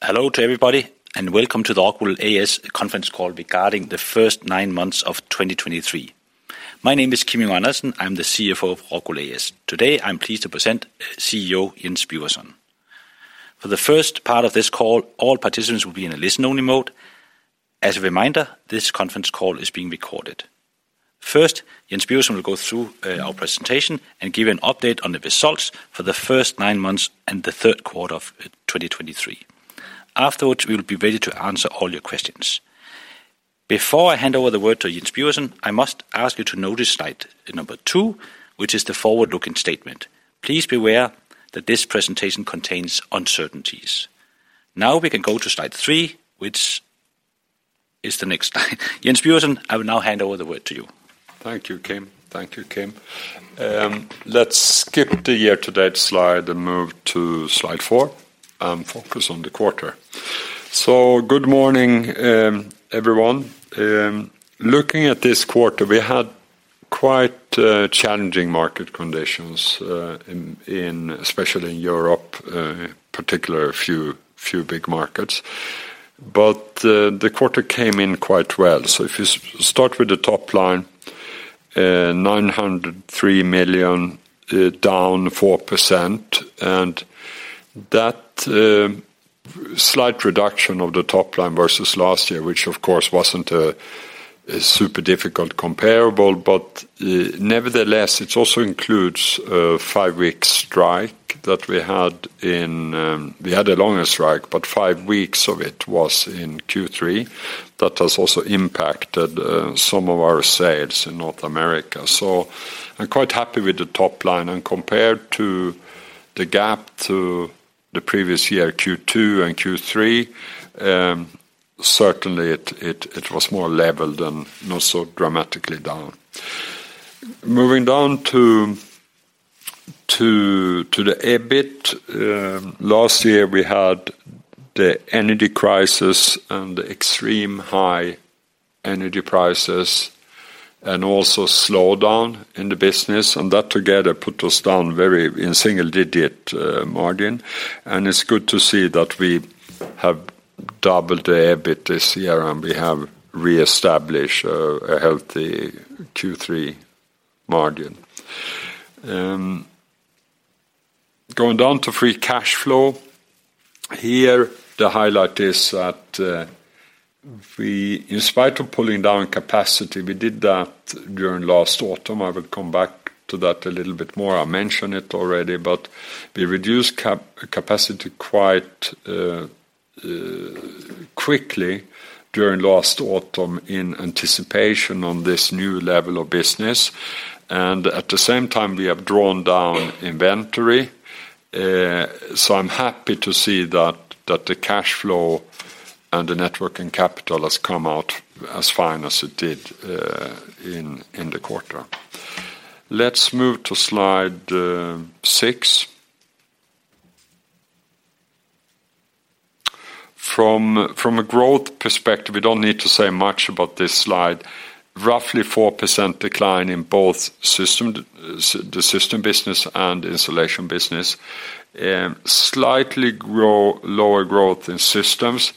Hello to everybody, and welcome to the ROCKWOOL A/S conference call regarding the first nine months of 2023. My name is Kim Andersen. I'm the CFO of ROCKWOOL A/S. Today, I'm pleased to present CEO Jens Birgersson. For the first part of this call, all participants will be in a listen-only mode. As a reminder, this conference call is being recorded. First, Jens Birgersson will go through our presentation and give you an update on the results for the first nine months and the third quarter of 2023. Afterwards, we will be ready to answer all your questions. Before I hand over the word to Jens Birgersson, I must ask you to notice slide number 2, which is the forward-looking statement. Please be aware that this presentation contains uncertainties. Now we can go to slide 3, which is the next. Jens Birgersson, I will now hand over the word to you. Thank you, Kim. Thank you, Kim. Let's skip the year-to-date slide and move to slide 4, focus on the quarter. Good morning, everyone. Looking at this quarter, we had quite challenging market conditions, especially in Europe, particularly a few big markets. But the quarter came in quite well. So if you start with the top line, 903 million, down 4%, and that slight reduction of the top line versus last year, which of course wasn't a super difficult comparable, but nevertheless, it also includes a five-week strike that we had in... We had a longer strike, but five weeks of it was in Q3. That has also impacted some of our sales in North America. So I'm quite happy with the top line, and compared to the gap to the previous year, Q2 and Q3, certainly it was more leveled and not so dramatically down. Moving down to the EBIT, last year, we had the energy crisis and extreme high energy prices and also slowdown in the business, and that together put us down very in single digit margin. And it's good to see that we have doubled the EBIT this year, and we have reestablished a healthy Q3 margin. Going down to free cash flow. Here, the highlight is that, in spite of pulling down capacity, we did that during last autumn. I will come back to that a little bit more. I mentioned it already, but we reduced capacity quite quickly during last autumn in anticipation on this new level of business, and at the same time, we have drawn down inventory. So I'm happy to see that the cash flow and the net working capital has come out as fine as it did in the quarter. Let's move to slide 6. From a growth perspective, we don't need to say much about this slide. Roughly 4% decline in both the systems business and insulation business. Slightly lower growth in systems,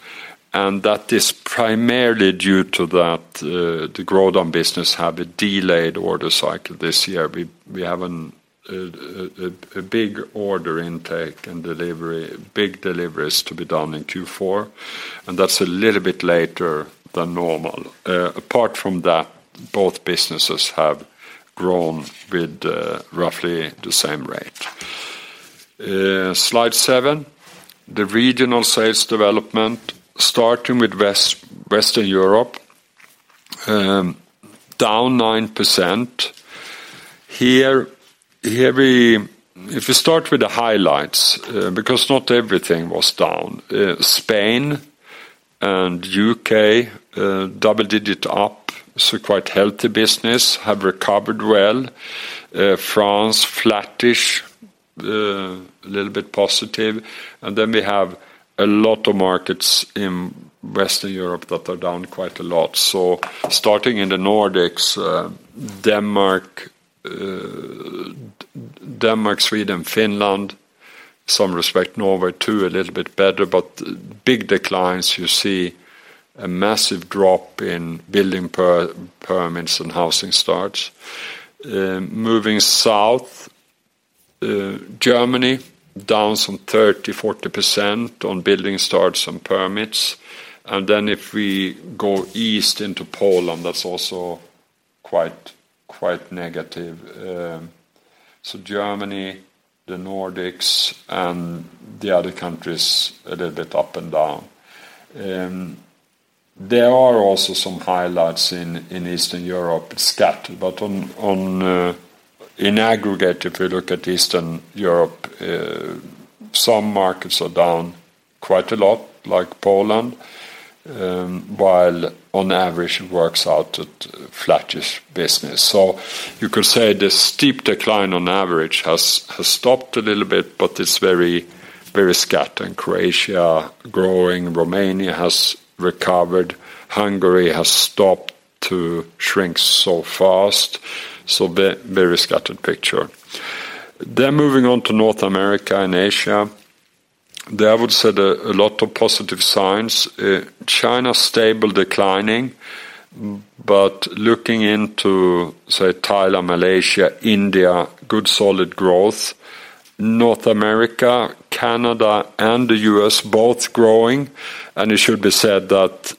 and that is primarily due to that the systems business have a delayed order cycle this year. We have a big order intake and delivery, big deliveries to be done in Q4, and that's a little bit later than normal. Apart from that, both businesses have grown with roughly the same rate. Slide 7, the regional sales development, starting with Western Europe, down 9%. If we start with the highlights, because not everything was down. Spain and UK, double-digit up, so quite healthy business, have recovered well. France, flattish, a little bit positive. And then we have a lot of markets in Western Europe that are down quite a lot. So starting in the Nordics, Denmark, Sweden, Finland, somewhat, Norway, too, a little bit better, but big declines, you see a massive drop in building permits and housing starts. Moving south, Germany, down some 30%-40% on building starts and permits. And then if we go east into Poland, that's also quite negative. So Germany, the Nordics, and the other countries, a little bit up and down. There are also some highlights in Eastern Europe, scattered. But in aggregate, if you look at Eastern Europe, some markets are down quite a lot, like Poland, while on average, it works out to flattish business. So you could say the steep decline on average has stopped a little bit, but it's very, very scattered. And Croatia growing, Romania has recovered, Hungary has stopped to shrink so fast. So very scattered picture. Then moving on to North America and Asia, there I would say there are a lot of positive signs. China, stable declining, but looking into, say, Thailand, Malaysia, India, good solid growth. North America, Canada, and the US, both growing, and it should be said that,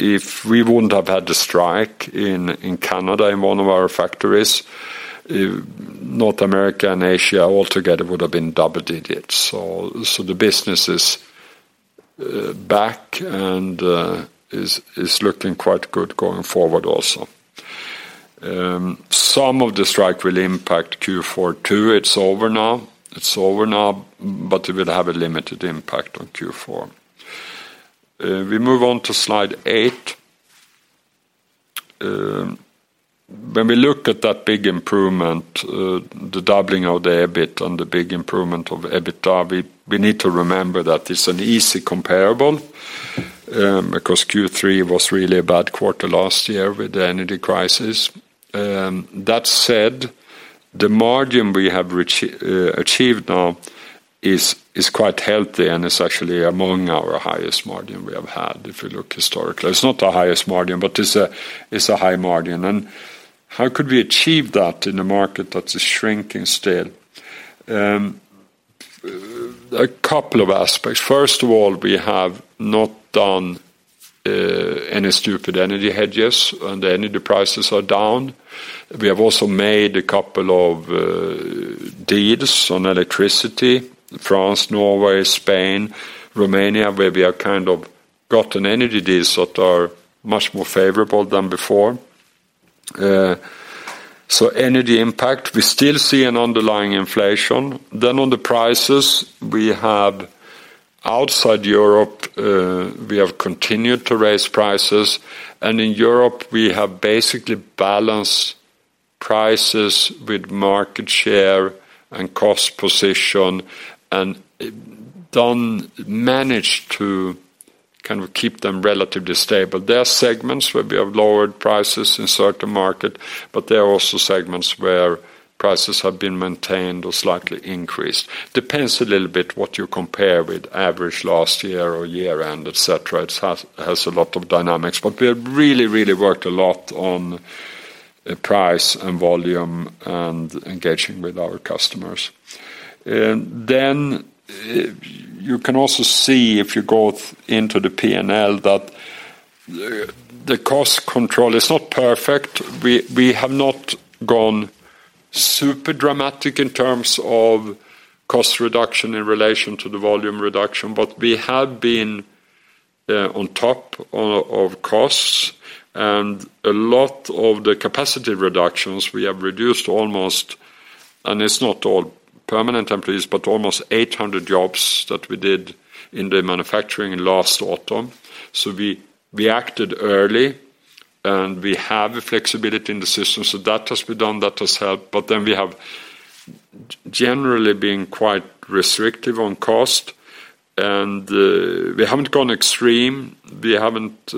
if we wouldn't have had the strike in Canada, in one of our factories, North America and Asia altogether would have been double-digit. So the business is back, and is looking quite good going forward also. Some of the strike will impact Q4 too. It's over now. It's over now, but it will have a limited impact on Q4. We move on to slide 8. When we look at that big improvement, the doubling of the EBIT and the big improvement of EBITDA, we need to remember that it's an easy comparable, because Q3 was really a bad quarter last year with the energy crisis. That said, the margin we have reached, achieved now is quite healthy, and it's actually among our highest margin we have had, if you look historically. It's not the highest margin, but it's a high margin. And how could we achieve that in a market that is shrinking still? A couple of aspects. First of all, we have not done any stupid energy hedges, and the energy prices are down. We have also made a couple of deals on electricity, France, Norway, Spain, Romania, where we have kind of gotten energy deals that are much more favorable than before. So energy impact, we still see an underlying inflation. Then on the prices, we have outside Europe, we have continued to raise prices, and in Europe, we have basically balanced prices with market share and cost position, and done... Managed to kind of keep them relatively stable. There are segments where we have lowered prices in certain market, but there are also segments where prices have been maintained or slightly increased. Depends a little bit what you compare with average last year or year end, et cetera. It has, has a lot of dynamics, but we have really, really worked a lot on price and volume and engaging with our customers. Then, you can also see, if you go into the P&L, that the, the cost control is not perfect. We have not gone super dramatic in terms of cost reduction in relation to the volume reduction, but we have been on top of costs and a lot of the capacity reductions. We have reduced almost, and it's not all permanent employees, but almost 800 jobs that we did in the manufacturing last autumn. So we acted early, and we have a flexibility in the system, so that has been done, that has helped, but then we have generally been quite restrictive on cost, and we haven't gone extreme. We haven't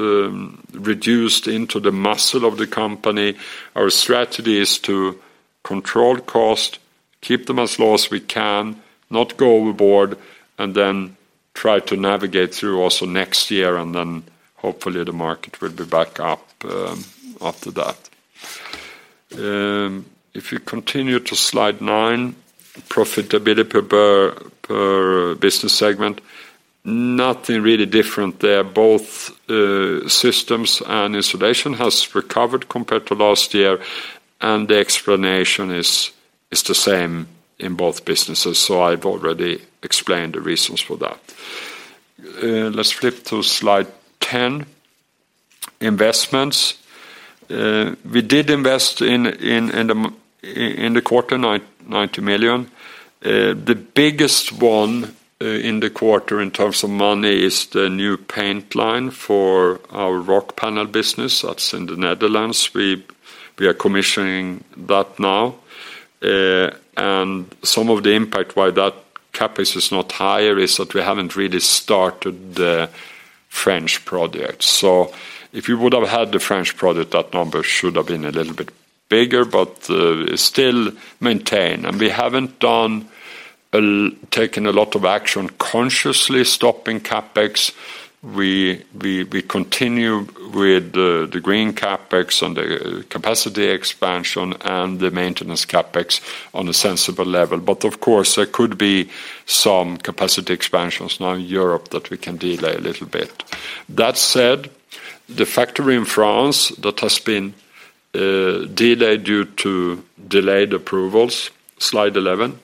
reduced into the muscle of the company. Our strategy is to control cost, keep them as low as we can, not go overboard, and then try to navigate through also next year, and then hopefully the market will be back up after that. If you continue to slide 9, profitability per business segment, nothing really different there. Both systems and installation has recovered compared to last year, and the explanation is the same in both businesses, so I've already explained the reasons for that. Let's flip to slide 10, investments. We did invest in the quarter, 90 million. The biggest one in the quarter, in terms of money, is the new paint line for our Rockpanel business. That's in the Netherlands. We are commissioning that now, and some of the impact why that CapEx is not higher is that we haven't really started the French project. So if you would have had the French project, that number should have been a little bit bigger, but still maintained. We haven't taken a lot of action, consciously stopping CapEx. We continue with the green CapEx and the capacity expansion and the maintenance CapEx on a sensible level, but of course, there could be some capacity expansions now in Europe that we can delay a little bit. That said, the factory in France that has been delayed due to delayed approvals, slide 11,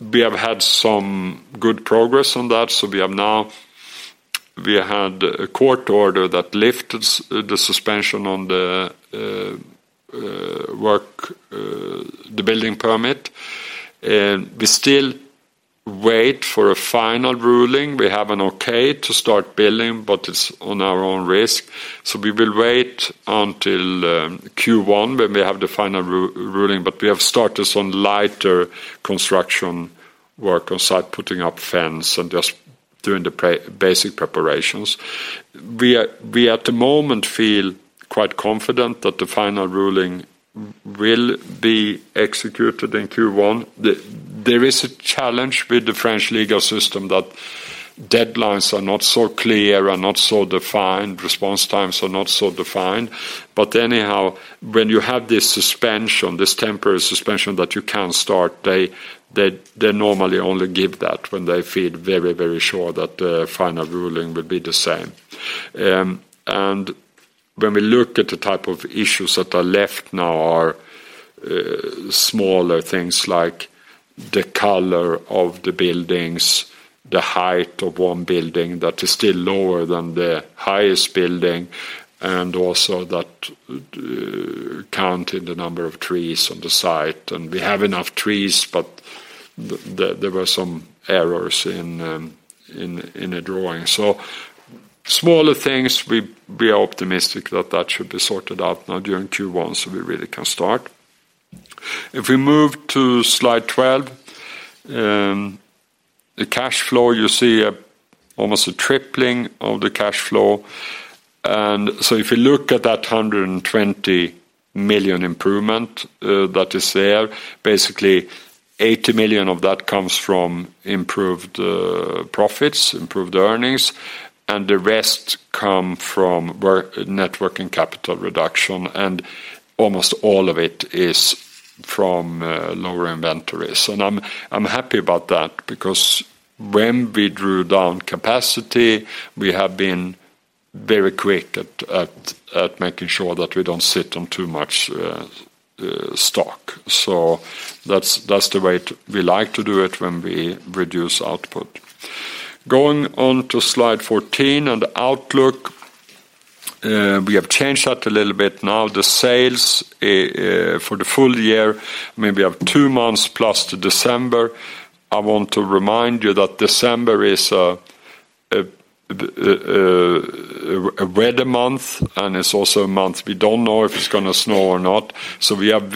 we have had some good progress on that, so we now have a court order that lifted the suspension on the work, the building permit. We still wait for a final ruling. We have an okay to start building, but it's on our own risk. So we will wait until Q1, when we have the final ruling, but we have started some lighter construction work on site, putting up fence and during the pre, basic preparations. We at the moment feel quite confident that the final ruling will be executed in Q1. There is a challenge with the French legal system, that deadlines are not so clear, are not so defined, response times are not so defined. But anyhow, when you have this suspension, this temporary suspension, that you can start, they normally only give that when they feel very, very sure that the final ruling will be the same. And when we look at the type of issues that are left now are smaller things like the color of the buildings, the height of one building that is still lower than the highest building, and also that counting the number of trees on the site. And we have enough trees, but there, there were some errors in the drawing. So smaller things, we are optimistic that that should be sorted out now during Q1, so we really can start. If we move to slide 12, the cash flow, you see almost a tripling of the cash flow. So if you look at that 120 million improvement, that is there, basically 80 million of that comes from improved profits, improved earnings, and the rest come from net working capital reduction, and almost all of it is from lower inventories. And I'm happy about that, because when we drew down capacity, we have been very quick at making sure that we don't sit on too much stock. So that's the way we like to do it when we reduce output. Going on to slide 14, on the outlook, we have changed that a little bit. Now, the sales for the full year, maybe have two months plus to December. I want to remind you that December is a wetter month, and it's also a month we don't know if it's going to snow or not, so we have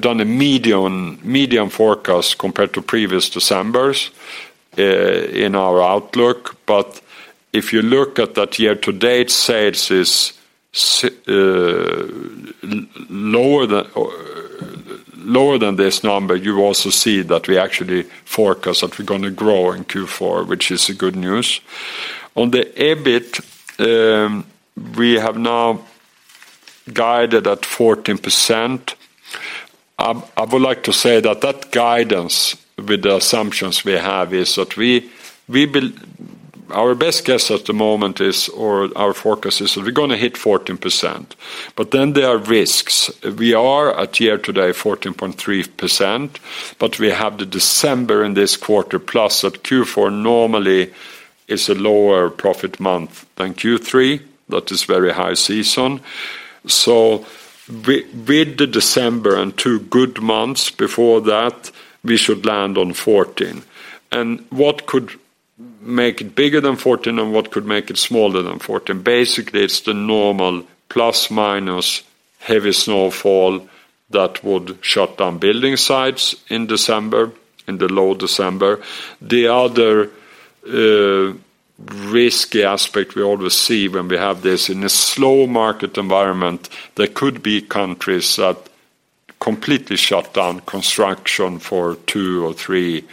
done a median forecast compared to previous Decembers in our outlook. But if you look at that year-to-date, sales is lower than this number. You also see that we actually forecast that we're going to grow in Q4, which is a good news. On the EBIT, we have now guided at 14%. I would like to say that that guidance, with the assumptions we have, is that we build. Our best guess at the moment is, or our forecast is, we're going to hit 14%. But then there are risks. We are at year-to-date, 14.3%, but we have the December in this quarter, plus that Q4 normally is a lower profit month than Q3, that is very high season. So with the December and two good months before that, we should land on 14. And what could make it bigger than 14, and what could make it smaller than 14? Basically, it's the normal plus/minus heavy snowfall that would shut down building sites in December, in the low December. The other risky aspect we always see when we have this, in a slow market environment, there could be countries that completely shut down construction for two or three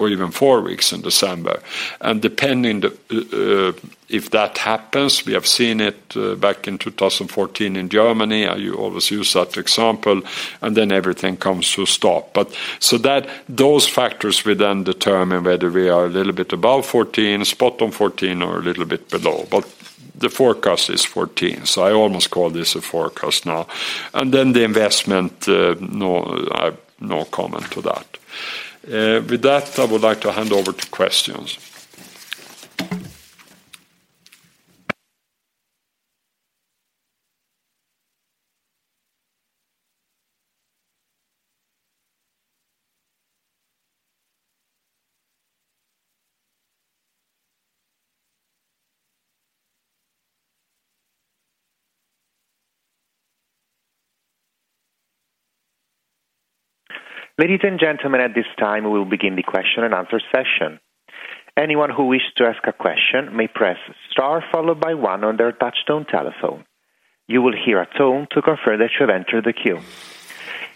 or even four weeks in December. And depending, if that happens, we have seen it back in 2014 in Germany, I always use that example, and then everything comes to a stop. But so that, those factors will then determine whether we are a little bit above 14, spot on 14, or a little bit below, but the forecast is 14, so I almost call this a forecast now. Then the investment, no, I've no comment to that. With that, I would like to hand over to questions. Ladies and gentlemen, at this time, we will begin the question-and-answer session. Anyone who wishes to ask a question may press star followed by one on their touchtone telephone. You will hear a tone to confirm that you have entered the queue.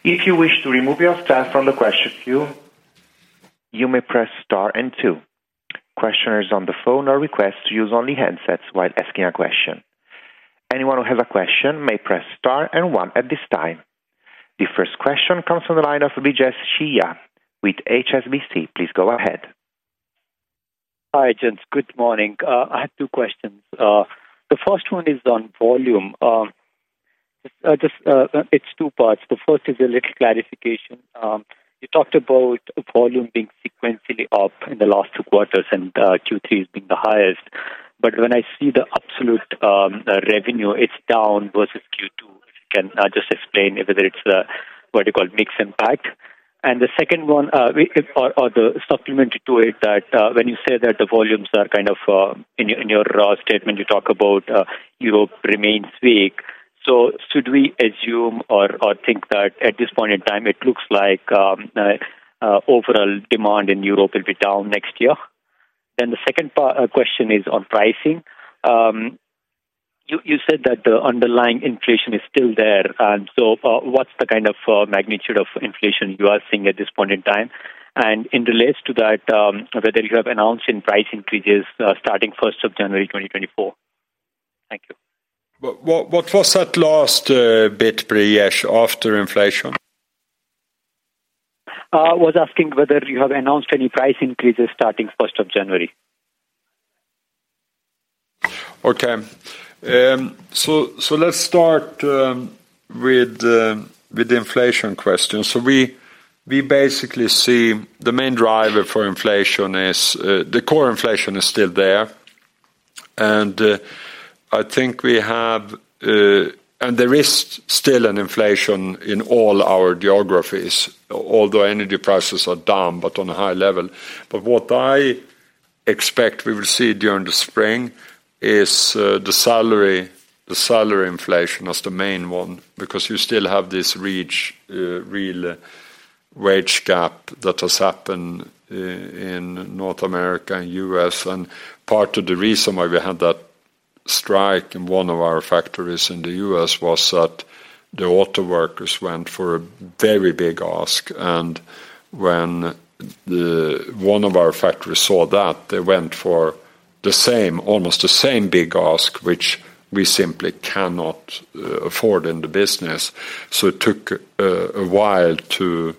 If you wish to remove yourself from the question queue, you may press star and two. Questioners on the phone are requested to use only handsets while asking a question. Anyone who has a question may press star and one at this time. The first question comes from the line of Vijay Shiva with HSBC. Please go ahead. Hi, gents. Good morning. I have two questions. The first one is on volume. Just, it's two parts. The first is a little clarification. You talked about volume being sequentially up in the last two quarters, and Q3 has been the highest. But when I see the absolute revenue, it's down versus Q2. Can just explain whether it's the what you call mix impact? And the second one, the supplementary to it, that when you say that the volumes are kind of in your in your raw statement, you talk about Europe remains weak. So should we assume or think that at this point in time, it looks like overall demand in Europe will be down next year? Then the second question is on pricing. You said that the underlying inflation is still there, and so, what's the kind of magnitude of inflation you are seeing at this point in time? And in relation to that, whether you have announced any price increases starting first of January 2024. Thank you. What, what, what was that last bit, Priyesh, after inflation? I was asking whether you have announced any price increases starting first of January? Okay. So let's start with the inflation question. So we basically see the main driver for inflation is the core inflation is still there. And I think there is still an inflation in all our geographies, although energy prices are down, but on a high level. But what I expect we will see during the spring is the salary inflation as the main one, because you still have this real wage gap that has happened in North America and US. And part of the reason why we had that strike in one of our factories in the U.S. was that the auto workers went for a very big ask, and when the, one of our factories saw that, they went for the same, almost the same big ask, which we simply cannot afford in the business. So it took a while to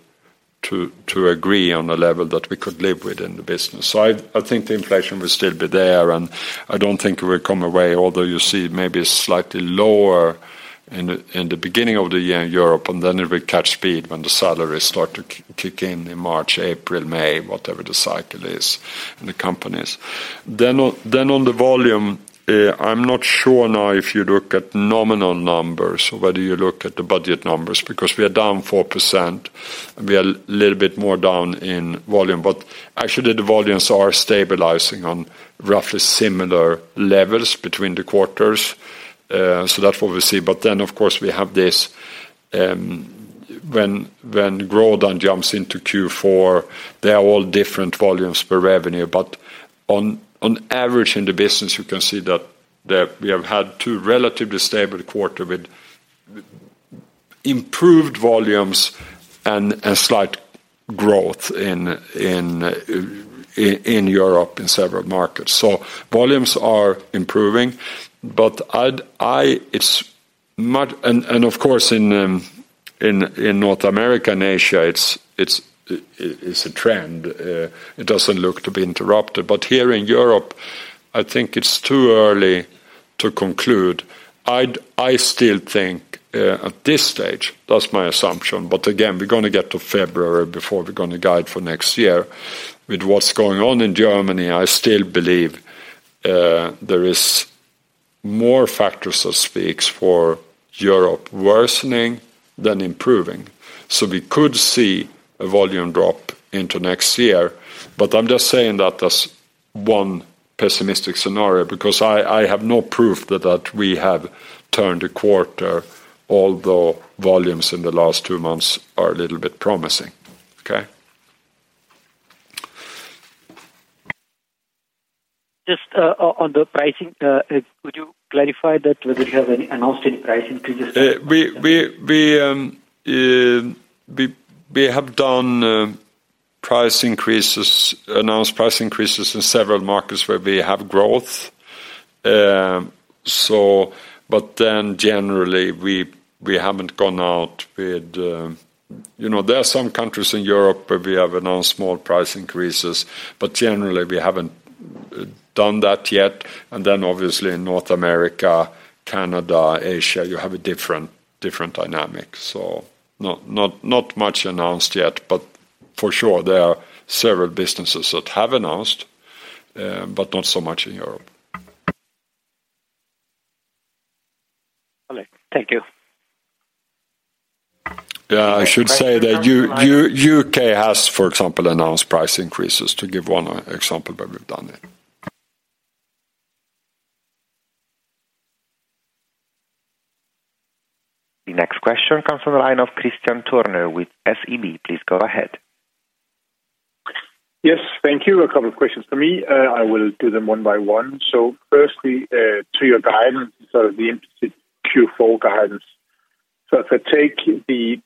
agree on a level that we could live with in the business. So I think the inflation will still be there, and I don't think it will come away, although you see maybe slightly lower in the beginning of the year in Europe, and then it will catch speed when the salaries start to kick in, in March, April, May, whatever the cycle is in the companies. Then on the volume, I'm not sure now if you look at nominal numbers or whether you look at the budget numbers, because we are down 4%, we are a little bit more down in volume. But actually, the volumes are stabilizing on roughly similar levels between the quarters, so that's what we see. But then, of course, we have this, when Grodan jumps into Q4, they are all different volumes per revenue. But on average in the business, you can see that we have had two relatively stable quarter with improved volumes and slight growth in Europe, in several markets. So volumes are improving, but it's much. And of course, in North America and Asia, it's a trend. It doesn't look to be interrupted. But here in Europe, I think it's too early to conclude. I'd, I still think, at this stage, that's my assumption, but again, we're going to get to February before we're going to guide for next year. With what's going on in Germany, I still believe, there is more factors, so speaks, for Europe worsening than improving. So we could see a volume drop into next year, but I'm just saying that as one pessimistic scenario, because I, I have no proof that, that we have turned a quarter, although volumes in the last two months are a little bit promising. Okay? Just, on the pricing, could you clarify that whether you have any announced any price increases? We have done price increases, announced price increases in several markets where we have growth. So, but then generally, we haven't gone out with... You know, there are some countries in Europe where we have announced small price increases, but generally, we haven't done that yet. And then, obviously, in North America, Canada, Asia, you have a different dynamic. So not much announced yet, but for sure, there are several businesses that have announced, but not so much in Europe. Okay, thank you. I should say that UK has, for example, announced price increases, to give one example where we've done it. The next question comes from the line of Kristian Tornoe with SEB. Please go ahead. Yes, thank you. A couple of questions for me. I will do them one by one. So firstly, to your guidance, so the Q4 guidance. So if I take the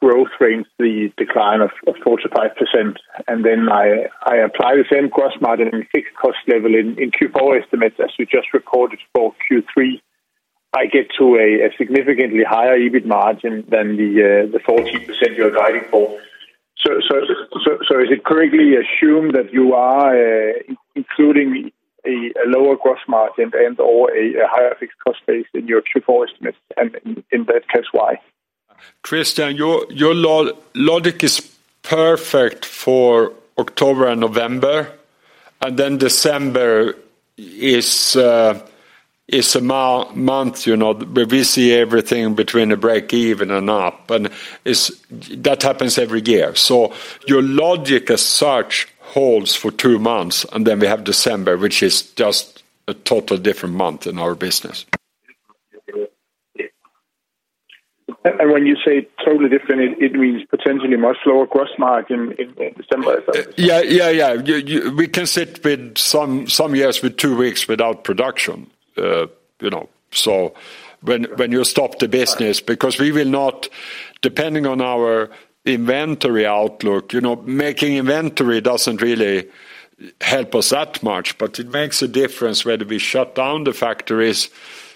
growth rates, the decline of 45%, and then I apply the same gross-margin and fixed cost level in Q4 estimates as you just recorded for Q3, I get to a significantly higher EBIT margin than the 14% you're guiding for. So, is it correctly assumed that you are including a lower gross-margin and/or a higher fixed cost base in your Q4 estimates, and in that case, why? Kristian, your logic is perfect for October and November, and then December is a month, you know, where we see everything between a break-even and up, and it's that happens every year. So your logic as such holds for two months, and then we have December, which is just a total different month in our business. And when you say totally different, it means potentially much lower gross margin in December? Yeah, yeah, yeah. You know, we can sit with some years with two weeks without production, you know. So when you stop the business, because we will not, depending on our inventory outlook, you know, making inventory doesn't really help us that much, but it makes a difference whether we shut down the factories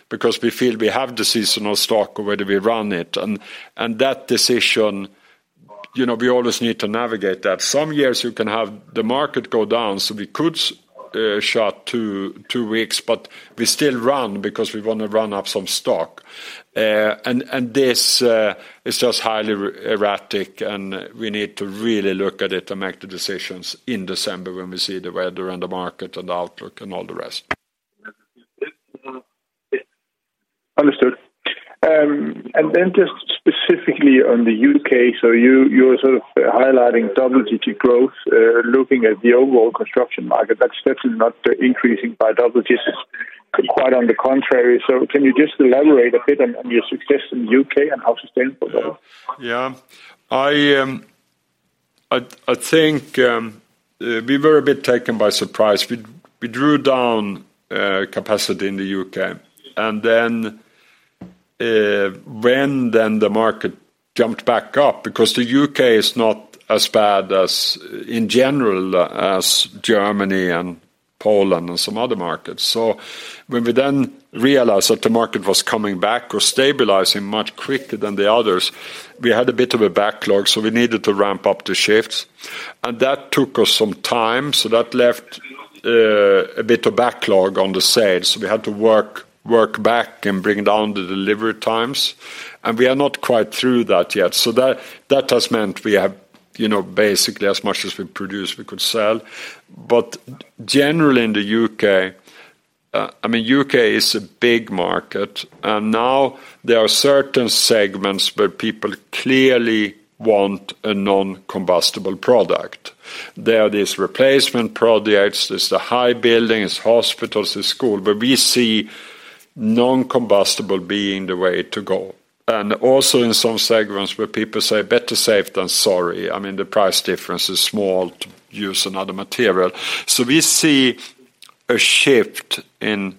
because we feel we have the seasonal stock or whether we run it. And that decision, you know, we always need to navigate that. Some years you can have the market go down, so we could shut two weeks, but we still run because we want to run up some stock. And this is just highly erratic, and we need to really look at it and make the decisions in December when we see the weather and the market and the outlook and all the rest. Understood. And then just specifically on the U.K. so you, you're sort of highlighting double-digit growth. Looking at the overall construction market, that's definitely not increasing by double digits. Quite on the contrary, so can you just elaborate a bit on, on your success in the U.K. and how sustainable? Yeah. I think we were a bit taken by surprise. We drew down capacity in the U.K., and then when the market jumped back up, because the U.K. is not as bad, in general, as Germany and Poland and some other markets. So when we realized that the market was coming back or stabilizing much quicker than the others, we had a bit of a backlog, so we needed to ramp up the shifts, and that took us some time. So that left a bit of backlog on the sales. We had to work back and bring down the delivery times, and we are not quite through that yet. So that has meant we have, you know, basically as much as we produce, we could sell. But generally in the U.K., I mean, U.K. is a big market, and now there are certain segments where people clearly want a non-combustible product. There are these replacement projects, there's the high buildings, hospitals, the school, where we see non-combustible being the way to go. And also in some segments where people say, "Better safe than sorry." I mean, the price difference is small to use another material. So we see a shift in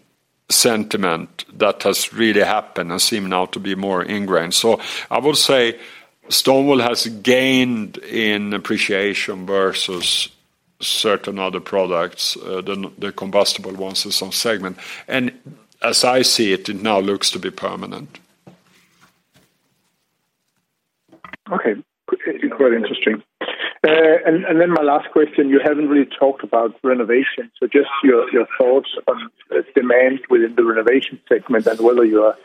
sentiment that has really happened and seem now to be more ingrained. So I would say stone wool has gained in appreciation versus certain other products than the combustible ones in some segment. And as I see it, it now looks to be permanent. Okay, quite interesting. And then my last question, you haven't really talked about renovation, so just your thoughts on demand within the renovation segment and whether you are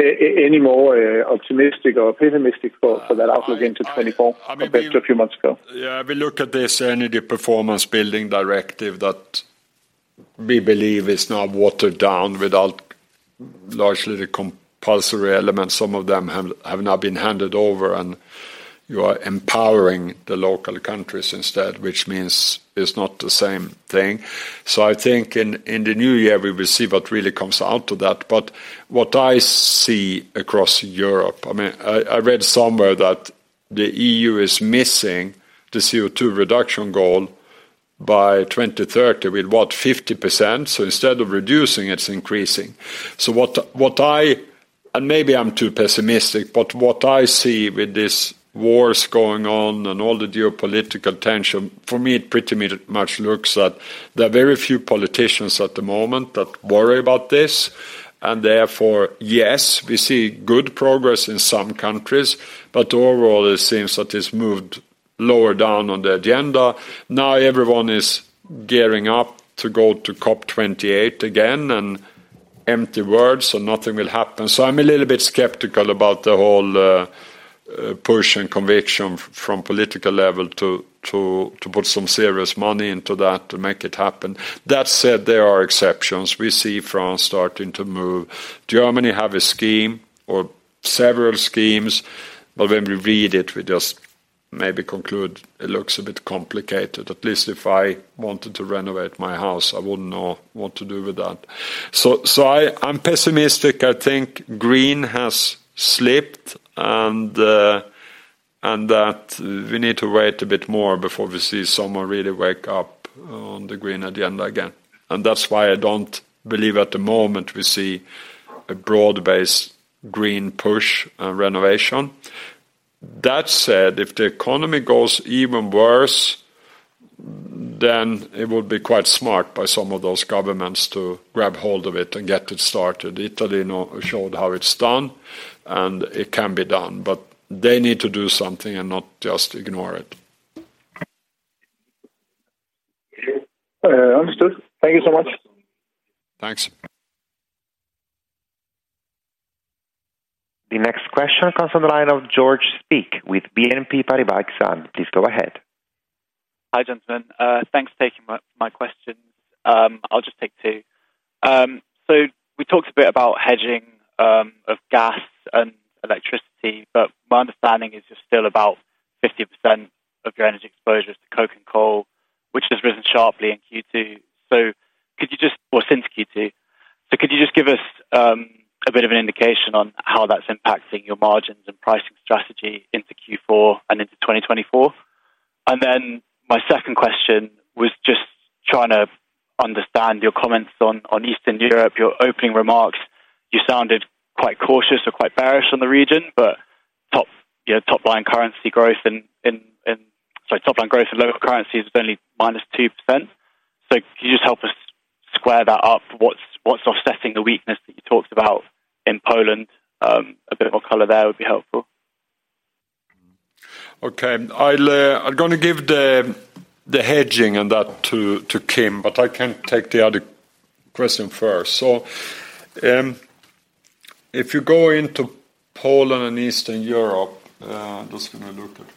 any more optimistic or pessimistic for that outlook into 2024 compared to a few months ago? Yeah, we look at this Energy Performance Building Directive that we believe is now watered down without largely the compulsory elements. Some of them have now been handed over, and you are empowering the local countries instead, which means it's not the same thing. So I think in the new year, we will see what really comes out of that. But what I see across Europe, I mean, I read somewhere that the EU is missing the CO2 reduction goal by 2030, with what? 50%. So instead of reducing, it's increasing. So what I... Maybe I'm too pessimistic, but what I see with these wars going on and all the geopolitical tension, for me, it pretty much looks that there are very few politicians at the moment that worry about this, and therefore, yes, we see good progress in some countries, but overall it seems that it's moved lower down on the agenda. Now everyone is gearing up to go to COP28 again, and empty words, so nothing will happen. So I'm a little bit skeptical about the whole push and conviction from political level to put some serious money into that, to make it happen. That said, there are exceptions. We see France starting to move. Germany have a scheme or several schemes, but when we read it, we just maybe conclude it looks a bit complicated. At least if I wanted to renovate my house, I wouldn't know what to do with that. So, I'm pessimistic. I think green has slipped and that we need to wait a bit more before we see someone really wake up on the green agenda again. And that's why I don't believe at the moment we see a broad-based green push on renovation. That said, if the economy goes even worse, then it would be quite smart by some of those governments to grab hold of it and get it started. Italy, you know, showed how it's done, and it can be done, but they need to do something and not just ignore it. Understood. Thank you so much. Thanks. The next question comes from the line of George Speak with BNP Paribas, and please go ahead. Hi, gentlemen. Thanks for taking my questions. I'll just take two. So we talked a bit about hedging of gas and electricity, but my understanding is you're still about 50% of your energy exposure is to coke and coal, which has risen sharply in Q2. Could you just, well, since Q2, so could you just give us a bit of an indication on how that's impacting your margins and pricing strategy into Q4 and into 2024? And then my second question was just trying to understand your comments on Eastern Europe, your opening remarks, you sounded quite cautious or quite bearish on the region, but, you know, top line growth in local currency is only -2%. So could you just help us square that up? What's offsetting the weakness that you talked about in Poland? A bit more color there would be helpful. Okay. I'll, I'm gonna give the hedging and that to Kim, but I can take the other question first. So, if you go into Poland and Eastern Europe, I'm just gonna look at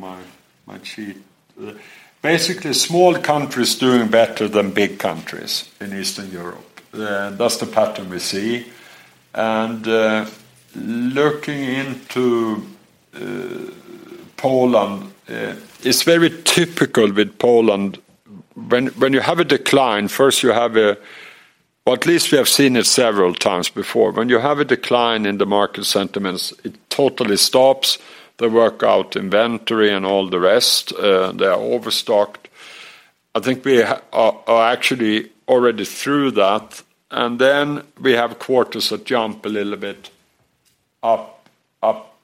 my sheet. Basically, small countries doing better than big countries in Eastern Europe. That's the pattern we see. Looking into Poland, it's very typical with Poland. When you have a decline, first you have or at least we have seen it several times before. When you have a decline in the market sentiments, it totally stops the workout inventory and all the rest, they are overstocked. I think we are actually already through that, and then we have quarters that jump a little bit up, up,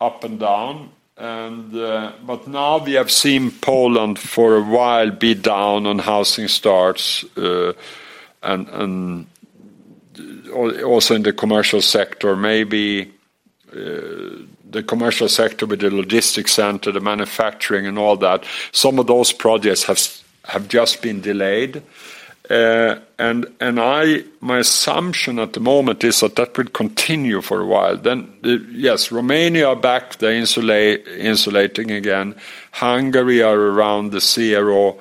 up and down. But now we have seen Poland for a while be down on housing starts, and also in the commercial sector, maybe the commercial sector with the logistics center, the manufacturing and all that, some of those projects have just been delayed. My assumption at the moment is that that will continue for a while. Yes, Romania are back, they're insulating again. Hungary are around the zero,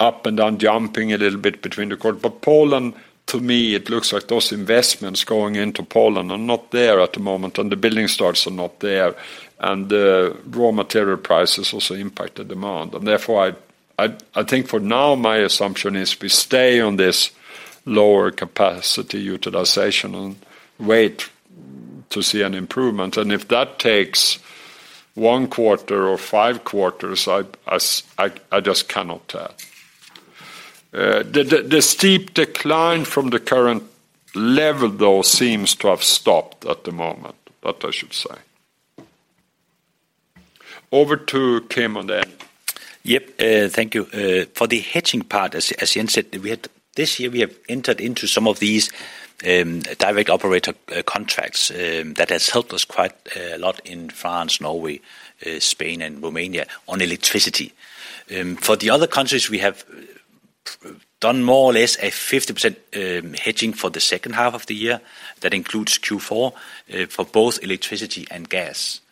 up and down, jumping a little bit between the quarter. But Poland, to me, it looks like those investments going into Poland are not there at the moment, and the building starts are not there, and raw material prices also impact the demand. Therefore, I think for now, my assumption is we stay on this lower capacity utilization and wait to see an improvement. If that takes one quarter or five quarters, I just cannot tell. The steep decline from the current level, though, seems to have stopped at the moment, that I should say. Over to Kim on the end. Yep, thank you. For the hedging part, as Jens said, we have entered into some of these direct operator contracts that has helped us quite a lot in France, Norway, Spain, and Romania on electricity. For the other countries, we have done more or less a 50% hedging for the second half of the year. That includes Q4 for both electricity and gas.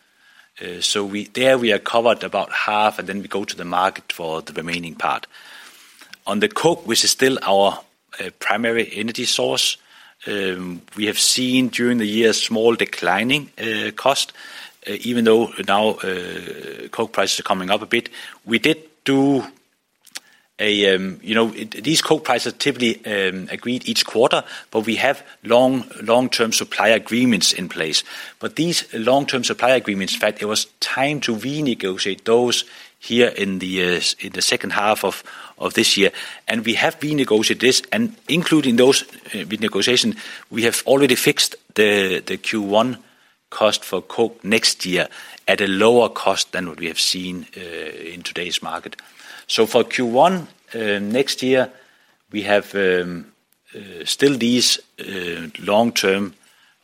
So there, we are covered about half, and then we go to the market for the remaining part. On the coke, which is still our primary energy source, we have seen during the year small declining cost even though now coke prices are coming up a bit. We did do a, you know, these coke prices are typically agreed each quarter, but we have long, long-term supply agreements in place. But these long-term supply agreements, in fact, it was time to renegotiate those here in the second half of this year. We have renegotiated this, and including those negotiation, we have already fixed the Q1 cost for coke next year at a lower cost than what we have seen in today's market. So for Q1 next year, we have still these long-term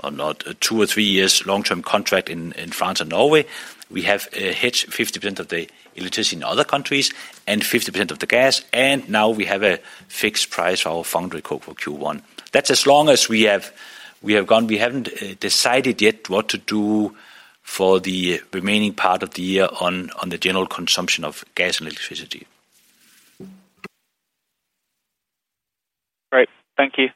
or not, two or three years long-term contract in France and Norway. We have hedged 50% of the electricity in other countries and 50% of the gas, and now we have a fixed price for our foundry coke for Q1. That's as long as we have, we have gone. We haven't decided yet what to do for the remaining part of the year on the general consumption of gas and electricity. Great. Thank you.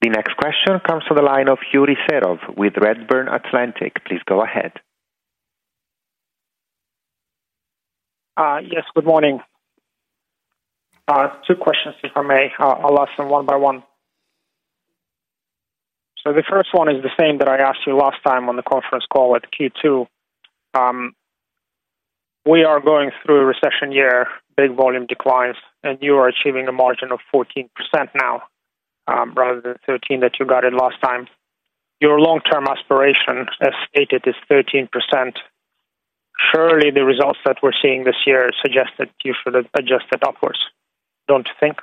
The next question comes from the line of Yuri Serov with Redburn Atlantic. Please go ahead. Yes, good morning. Two questions, if I may. I'll ask them one by one. So the first one is the same that I asked you last time on the conference call at Q2. We are going through a recession year, big volume declines, and you are achieving a margin of 14% now, rather than 13% that you got it last time. Your long-term aspiration, as stated, is 13%. Surely, the results that we're seeing this year suggest that you should adjust it upwards. Don't you think?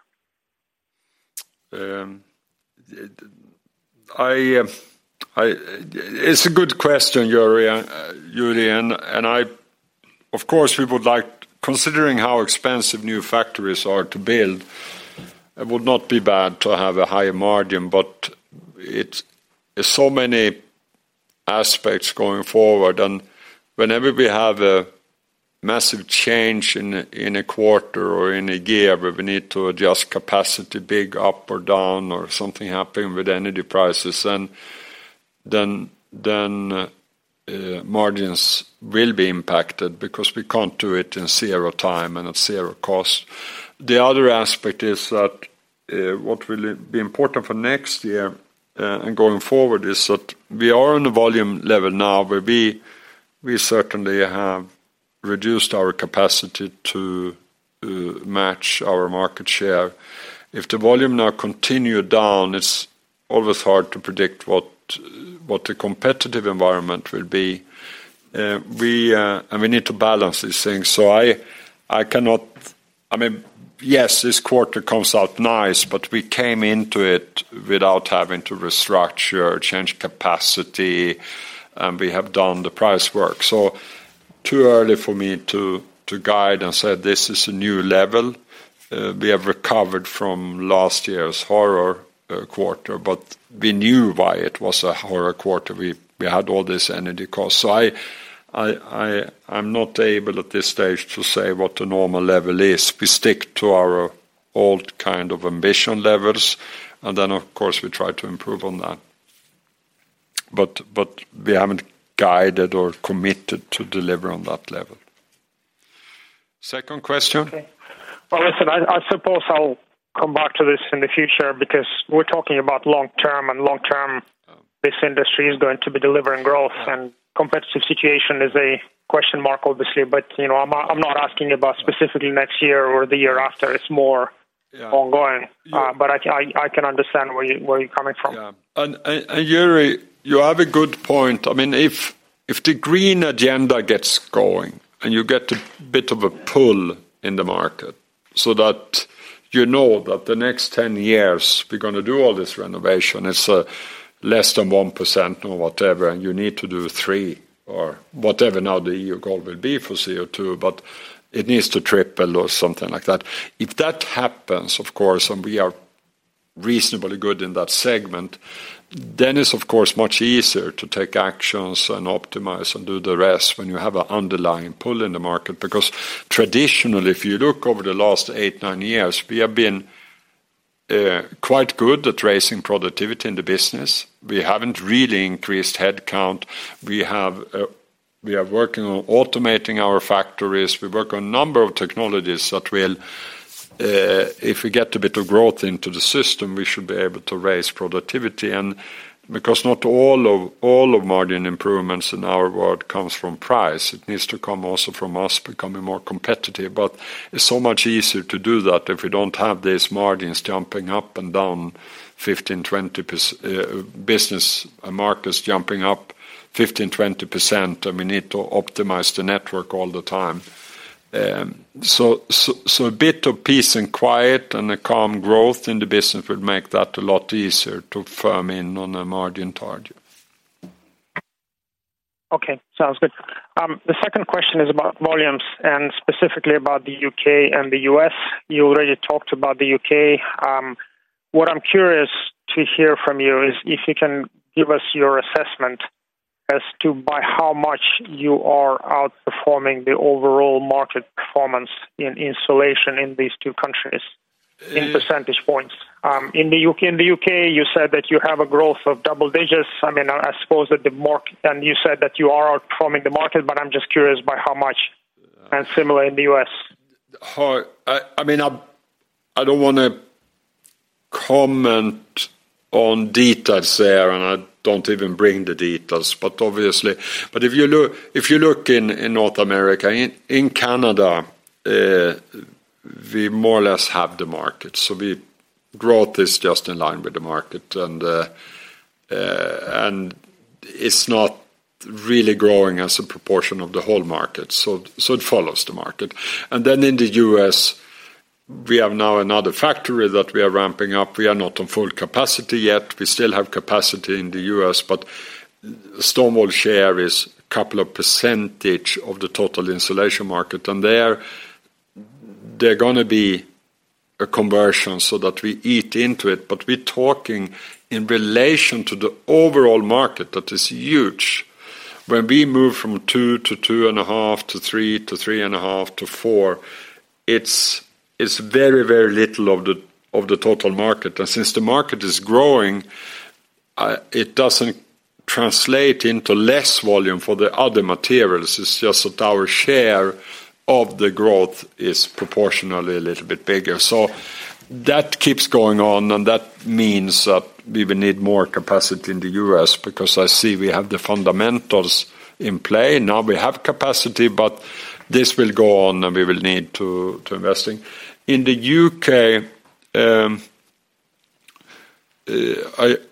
It's a good question, Yuri, and I— Of course, we would like, considering how expensive new factories are to build, it would not be bad to have a higher margin, but it's so many aspects going forward, and whenever we have a massive change in a quarter or in a year, where we need to adjust capacity big up or down or something happening with energy prices, and— Then, margins will be impacted because we can't do it in zero time and at zero cost. The other aspect is that what will be important for next year and going forward is that we are in a volume level now where we certainly have reduced our capacity to match our market share. If the volume now continue down, it's always hard to predict what the competitive environment will be. We need to balance these things, so I cannot—I mean, yes, this quarter comes out nice, but we came into it without having to restructure, change capacity, and we have done the price work. So too early for me to guide and say, this is a new level. We have recovered from last year's horror quarter, but we knew why it was a horror quarter. We had all this energy costs. So I'm not able, at this stage, to say what the normal level is. We stick to our old kind of ambition levels, and then, of course, we try to improve on that. But we haven't guided or committed to deliver on that level. Second question? Okay. Well, listen, I suppose I'll come back to this in the future because we're talking about long term, and long term, this industry is going to be delivering growth, and competitive situation is a question mark, obviously, but, you know, I'm not asking about specifically next year or the year after. It's more- Yeah... ongoing, but I can understand where you're coming from. Yeah. And, and, and, Yuri, you have a good point. I mean, if, if the green agenda gets going, and you get a bit of a pull in the market, so that you know that the next 10 years, we're gonna do all this renovation, it's less than 1% or whatever, and you need to do 3% or whatever now the EU goal will be for CO2, but it needs to triple or something like that. If that happens, of course, and we are reasonably good in that segment, then it's, of course, much easier to take actions and optimize and do the rest when you have an underlying pull in the market. Because traditionally, if you look over the last eight, nine years, we have been quite good at raising productivity in the business. We haven't really increased headcount. We have, we are working on automating our factories. We work on a number of technologies that will, if we get a bit of growth into the system, we should be able to raise productivity, and because not all of, all of margin improvements in our world comes from price, it needs to come also from us becoming more competitive. But it's so much easier to do that if we don't have these margins jumping up and down 15%-20%, business markets jumping up 15%-20%, and we need to optimize the network all the time. So, a bit of peace and quiet and a calm growth in the business would make that a lot easier to firm in on a margin target. Okay, sounds good. The second question is about volumes, and specifically about the U.K. and the U.S. You already talked about the U.K. What I'm curious to hear from you is if you can give us your assessment as to by how much you are outperforming the overall market performance in installation in these two countries, in percentage points. In the U.K., in the U.K., you said that you have a growth of double digits. I mean, I suppose that the market and you said that you are outperforming the market, but I'm just curious by how much, and similar in the U.S. I mean, I don't want to comment on details there, and I don't even bring the details, but obviously, but if you look in North America, in Canada, we more or less have the market, so our growth is just in line with the market, and it's not really growing as a proportion of the whole market, so it follows the market. And then in the U.S., we have now another factory that we are ramping up. We are not on full capacity yet. We still have capacity in the U.S., but stone wool share is a couple of percentage of the total insulation market, and there are gonna be a conversion so that we eat into it, but we're talking in relation to the overall market, that is huge. When we move from 2-2.5, to 3-3.5, to 4, it's very, very little of the total market. And since the market is growing, it doesn't translate into less volume for the other materials. It's just that our share of the growth is proportionally a little bit bigger. So that keeps going on, and that means that we will need more capacity in the U.S. because I see we have the fundamentals in play. Now, we have capacity, but this will go on, and we will need to investing. In the U.K.,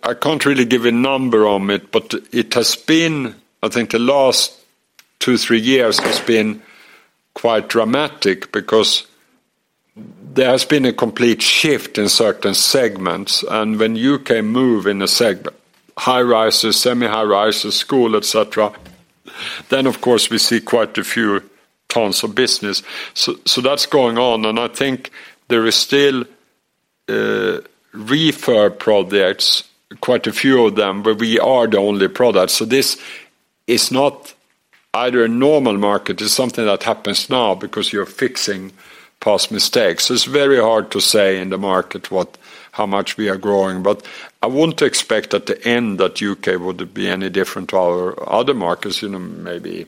I can't really give a number on it, but it has been, I think, the last two, three years has been quite dramatic because there has been a complete shift in certain segments, and when U.K. move in a high-rises, semi-high-rises, school, et cetera, then, of course, we see quite a few tons of business. So, that's going on, and I think there is still reference projects, quite a few of them, where we are the only product. So this is not- ...either a normal market is something that happens now because you're fixing past mistakes. It's very hard to say in the market what, how much we are growing, but I wouldn't expect at the end that U.K. would be any different to our other markets, you know, maybe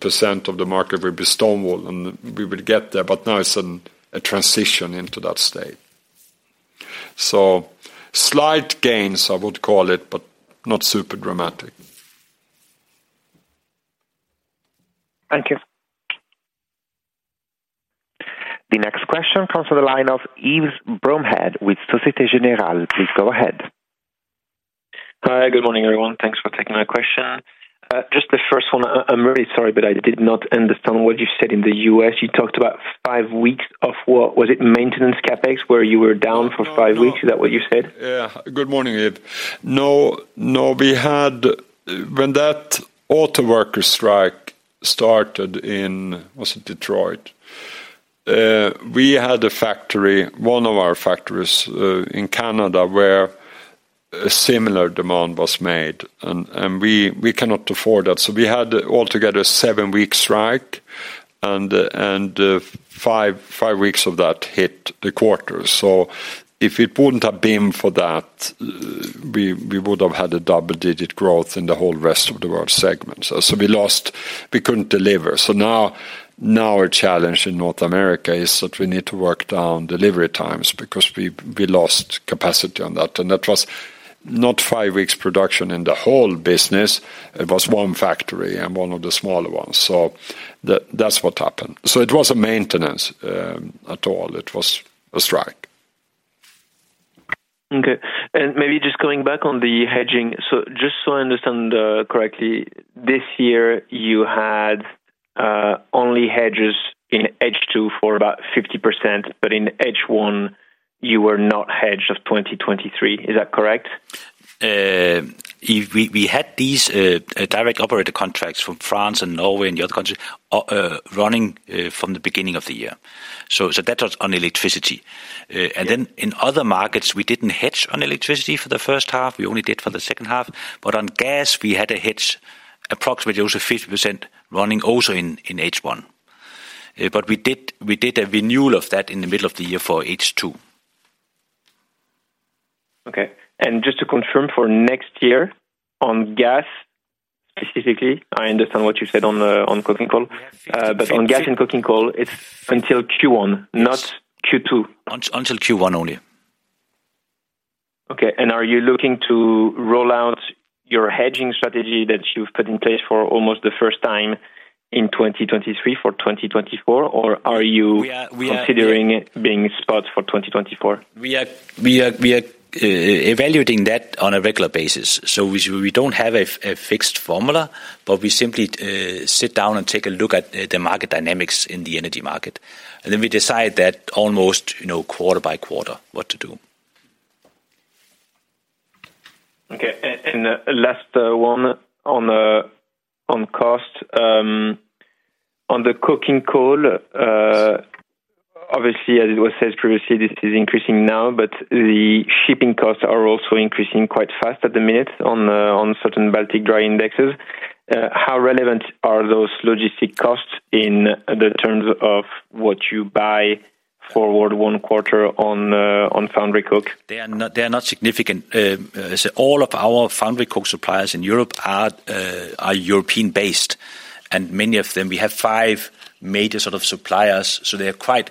40%-50% of the market will be stone wool, and we will get there, but now it's in a transition into that state. So slight gains, I would call it, but not super dramatic. Thank you. The next question comes from the line of Yves Bromehead with Société Générale. Please go ahead. Hi, good morning, everyone. Thanks for taking my question. Just the first one. I'm really sorry, but I did not understand what you said in the U.S. You talked about five weeks of work. Was it maintenance CapEx, where you were down for five weeks? No, no. Is that what you said? Yeah. Good morning, Yves. No, no, we had—when that autoworker strike started in, was it Detroit? We had a factory, one of our factories, in Canada, where a similar demand was made, and we cannot afford that. So we had altogether seven weeks strike, and five weeks of that hit the quarter. So if it wouldn't have been for that, we would have had a double-digit growth in the whole rest of the world segment. So we lost... We couldn't deliver. So now our challenge in North America is that we need to work down delivery times because we lost capacity on that, and that was not five weeks production in the whole business. It was one factory and one of the smaller ones. So that's what happened. So it wasn't maintenance at all. It was a strike. Okay. And maybe just coming back on the hedging. So just so I understand correctly, this year, you had only hedges in H2 for about 50%, but in H1, you were not hedged of 2023. Is that correct? Yves, we had these direct operator contracts from France and Norway and the other countries running from the beginning of the year. So that was on electricity. And then in other markets, we didn't hedge on electricity for the first half, we only did for the second half, but on gas, we had a hedge, approximately it was 50%, running also in H1. But we did a renewal of that in the middle of the year for H2. Okay. Just to confirm for next year, on gas, specifically, I understand what you said on coking coal, but on gas and coking coal, it's until Q1- Yes. not Q2. Until Q1 only. Okay. And are you looking to roll out your hedging strategy that you've put in place for almost the first time in 2023 for 2024, or are you- We are- Considering being spot for 2024? We are evaluating that on a regular basis, so we don't have a fixed formula, but we simply sit down and take a look at the market dynamics in the energy market, and then we decide that almost, you know, quarter by quarter, what to do. Okay. And last one on cost. On the coking coal, obviously, as it was said previously, this is increasing now, but the shipping costs are also increasing quite fast at the minute on certain Baltic Dry Indexes. How relevant are those logistic costs in the terms of what you buy forward one quarter on foundry coke? They are not, they are not significant. So all of our foundry coke suppliers in Europe are, are European-based, and many of them... We have five major sort of suppliers, so they are quite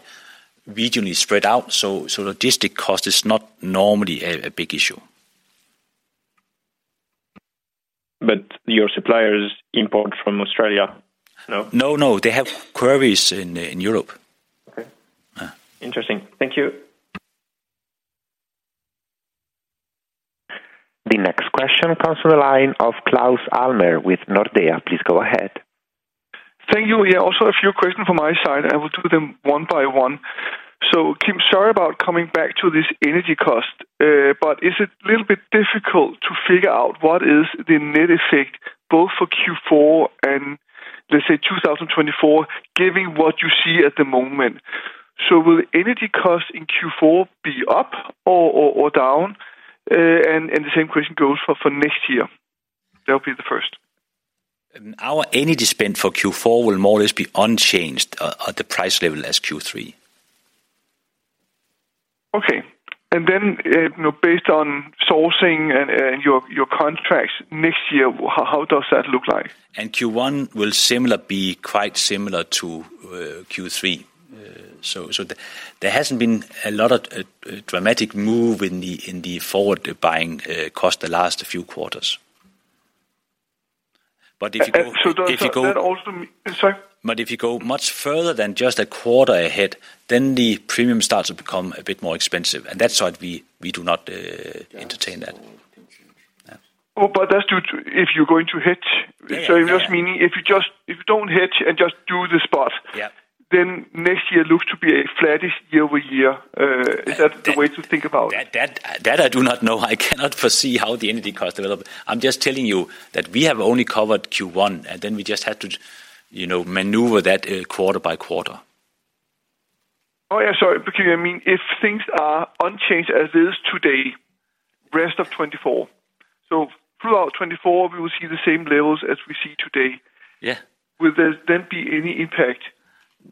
regionally spread out. So, so logistic cost is not normally a, a big issue. Your suppliers import from Australia, no? No, no, they have quarries in Europe. Okay. Yeah. Interesting. Thank you. The next question comes from the line of Claus Almer with Nordea. Please go ahead. Thank you. Yeah, also a few questions from my side. I will do them one by one. So Kim, sorry about coming back to this energy cost, but is it a little bit difficult to figure out what is the net effect, both for Q4 and, let's say, 2024, given what you see at the moment? So will energy cost in Q4 be up or down? And the same question goes for next year. That'll be the first. Our energy spend for Q4 will more or less be unchanged at the price level as Q3. Okay. And then, you know, based on sourcing and your contracts next year, how does that look like? Q1 will similar, be quite similar to Q3. So there hasn't been a lot of dramatic move in the forward buying cost the last few quarters. But if you go- So does that also... Sorry. But if you go much further than just a quarter ahead, then the premium starts to become a bit more expensive, and that's why we do not entertain that. Yeah. Oh, but that's to, if you're going to hedge? Yeah, yeah. Just meaning, if you don't hedge and just do the spot- Yeah. Then next year looks to be a flattish year-over-year. Is that the way to think about it? That I do not know. I cannot foresee how the energy costs develop. I'm just telling you that we have only covered Q1, and then we just have to, you know, maneuver that quarter by quarter. Oh, yeah, sorry. Because, I mean, if things are unchanged as is today, rest of 2024. So throughout 2024, we will see the same levels as we see today? Yeah. Will there then be any impact? Yeah,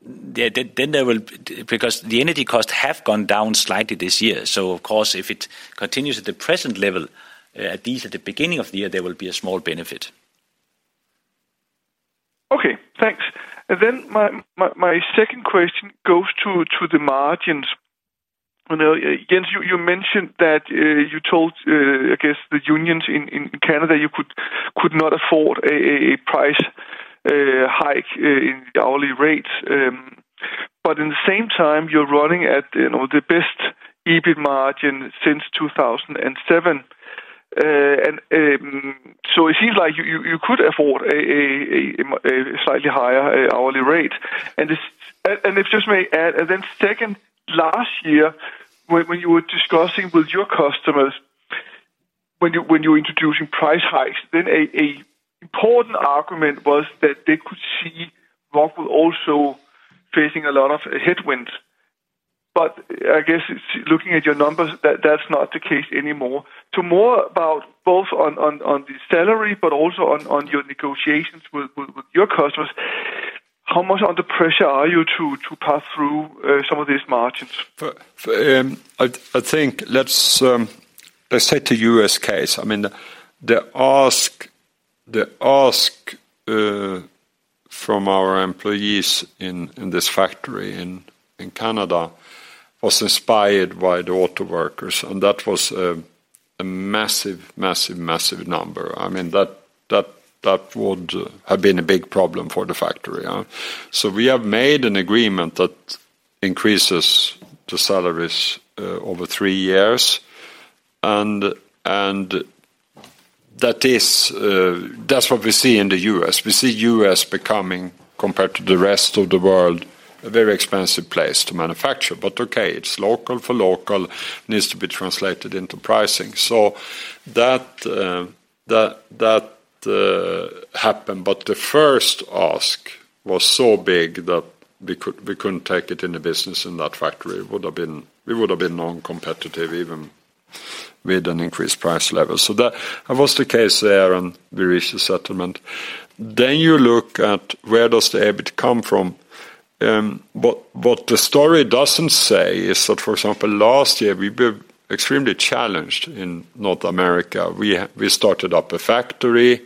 then there will, because the energy costs have gone down slightly this year. So of course, if it continues at the present level, at least at the beginning of the year, there will be a small benefit. Okay, thanks. And then my second question goes to the margins. You know, Jens, you mentioned that you told, I guess, the unions in Canada, you could not afford a price hike in the hourly rates, but at the same time, you're running at, you know, the best EBIT margin since 2007. And so it seems like you could afford a slightly higher hourly rate. And if I may add, and then second, last year, when you were discussing with your customers, when you introducing price hikes, then an important argument was that they could see Rockwool also facing a lot of headwinds. But I guess, looking at your numbers, that's not the case anymore. Tell more about both on the salary, but also on your negotiations with your customers, how much under pressure are you to pass through some of these margins? I think let's say the U.S. case. I mean, the ask from our employees in this factory in Canada was inspired by the auto workers, and that was a massive, massive, massive number. I mean, that would have been a big problem for the factory. So we have made an agreement that increases the salaries over three years, and that is that's what we see in the U.S. We see U.S. becoming, compared to the rest of the world, a very expensive place to manufacture. But okay, it's local for local, needs to be translated into pricing. So that happened, but the first ask was so big that we could- we couldn't take it in the business in that factory. It would have been... We would have been non-competitive, even with an increased price level. So that, that was the case there, and we reached a settlement. Then you look at where does the EBIT come from? But what the story doesn't say is that, for example, last year, we've been extremely challenged in North America. We started up a factory.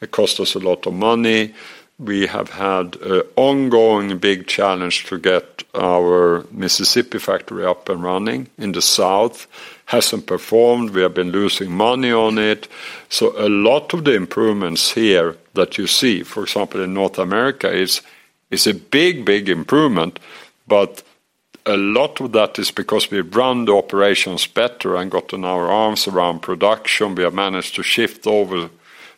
It cost us a lot of money. We have had an ongoing big challenge to get our Mississippi factory up and running in the South. Hasn't performed. We have been losing money on it. So a lot of the improvements here that you see, for example, in North America, is, is a big, big improvement, but a lot of that is because we've run the operations better and gotten our arms around production. We have managed to shift over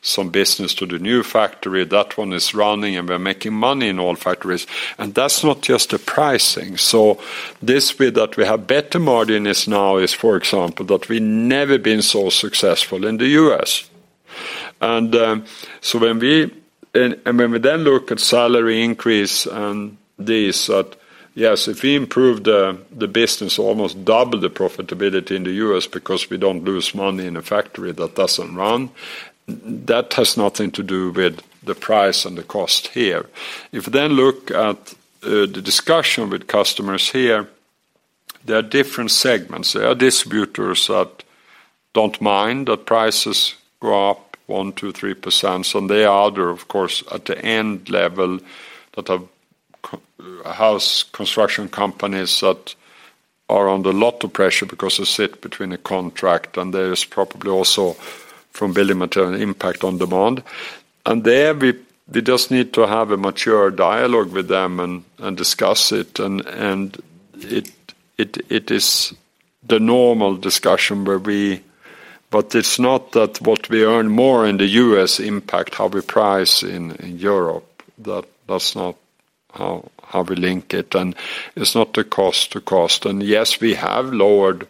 some business to the new factory. That one is running, and we're making money in all factories, and that's not just the pricing. So this bit that we have better margin is now, for example, that we never been so successful in the U.S. And, so when we, and when we then look at salary increase and this, that, yes, if we improve the business, almost double the profitability in the U.S. because we don't lose money in a factory that doesn't run, that has nothing to do with the price and the cost here. If we then look at the discussion with customers here, there are different segments. There are distributors that don't mind that prices go up 1%, 2%, 3%, so they are there, of course, at the end level that have house construction companies that are under a lot of pressure because they sit between a contract, and there is probably also, from building material, impact on demand. And there, we just need to have a mature dialogue with them and discuss it, and it is the normal discussion where we... But it's not that what we earn more in the U.S. impact how we price in Europe. That, that's not how we link it, and it's not the cost to cost. And yes, we have lowered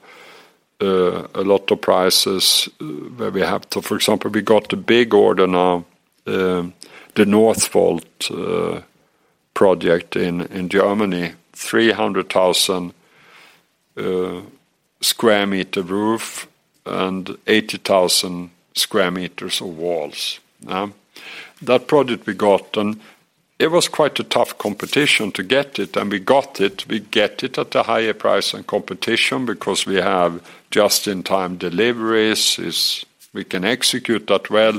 a lot of prices where we have to. For example, we got a big order now, the Northvolt project in Germany, 300,000 square meter roof and 80,000 square meters of walls. That project we gotten, it was quite a tough competition to get it, and we got it. We get it at a higher price and competition because we have just-in-time deliveries, is we can execute that well.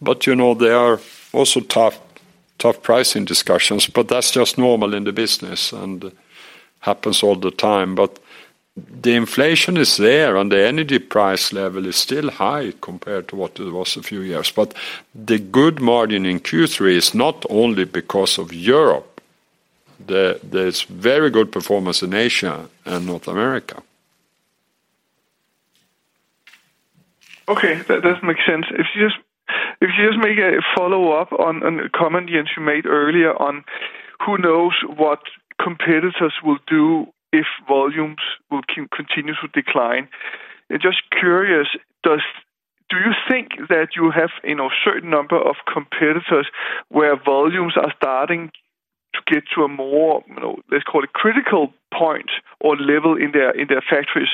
But, you know, there are also tough, tough pricing discussions, but that's just normal in the business and happens all the time. But the inflation is there, and the energy price level is still high compared to what it was a few years. But the good margin in Q3 is not only because of Europe. There is very good performance in Asia and North America. Okay, that makes sense. If you just make a follow-up on a comment, Jens, you made earlier on, who knows what competitors will do if volumes will continue to decline? I'm just curious. I think that you have, you know, a certain number of competitors where volumes are starting to get to a more, you know, let's call it, critical point or level in their factories.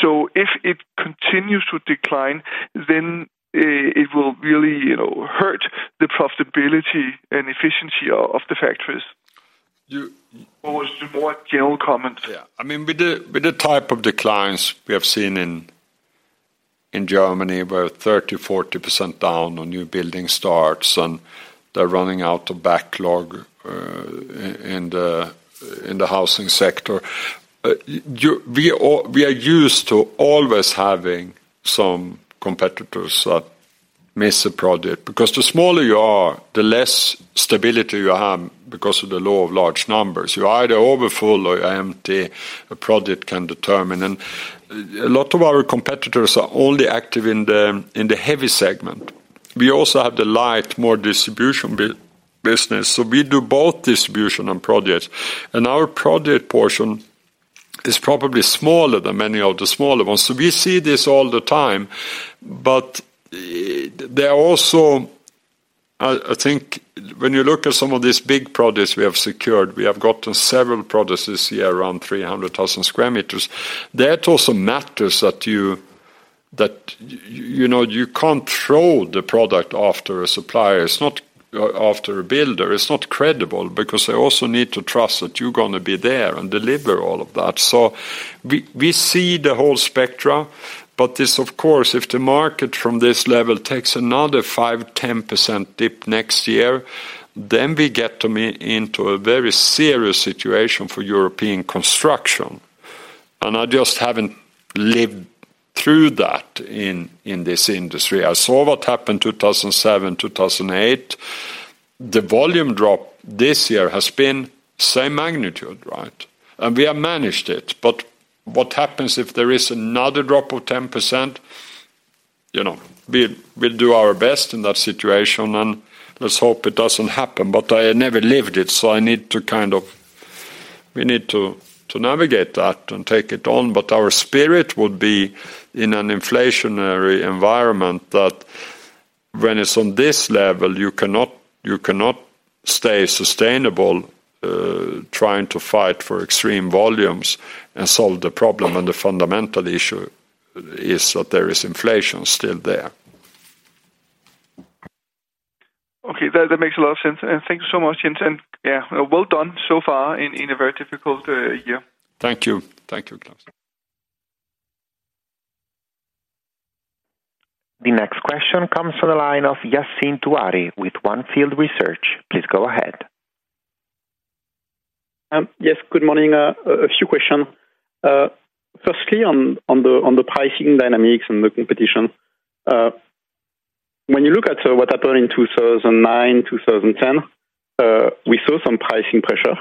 So if it continues to decline, then it will really, you know, hurt the profitability and efficiency of the factories. You- Or it's a more general comment? Yeah. I mean, with the type of declines we have seen in Germany, where 30%-40% down on new building starts, and they're running out of backlog in the housing sector. You, we all, we are used to always having some competitors miss a project, because the smaller you are, the less stability you have because of the law of large numbers. You're either overfull or empty, a project can determine. And a lot of our competitors are only active in the heavy segment. We also have the light, more distribution business, so we do both distribution and projects. And our project portion is probably smaller than many of the smaller ones. So we see this all the time, but there are also... I think when you look at some of these big projects we have secured, we have gotten several projects this year, around 300,000 square meters. That also matters that you know you can't show the product after a supplier. It's not after a builder, it's not credible, because they also need to trust that you're gonna be there and deliver all of that. So we see the whole spectra, but this, of course, if the market from this level takes another 5%-10% dip next years, then we get into a very serious situation for European construction, and I just haven't lived through that in this industry. I saw what happened 2007, 2008. The volume drop this year has been same magnitude, right? We have managed it, but what happens if there is another drop of 10%? You know, we, we'll do our best in that situation, and let's hope it doesn't happen. But I have never lived it, so I need to kind of, we need to, to navigate that and take it on. But our spirit would be in an inflationary environment that when it's on this level, you cannot, you cannot stay sustainable, trying to fight for extreme volumes and solve the problem, and the fundamental issue is that there is inflation still there. Okay. That makes a lot of sense, and thank you so much, Jens. And yeah, well done so far in a very difficult year. Thank you. Thank you, Claus. The next question comes from the line of Yassine Touahri with On Field Research. Please go ahead. Yes, good morning. A few questions. Firstly, on the pricing dynamics and the competition, when you look at what happened in 2009, 2010, we saw some pricing pressure.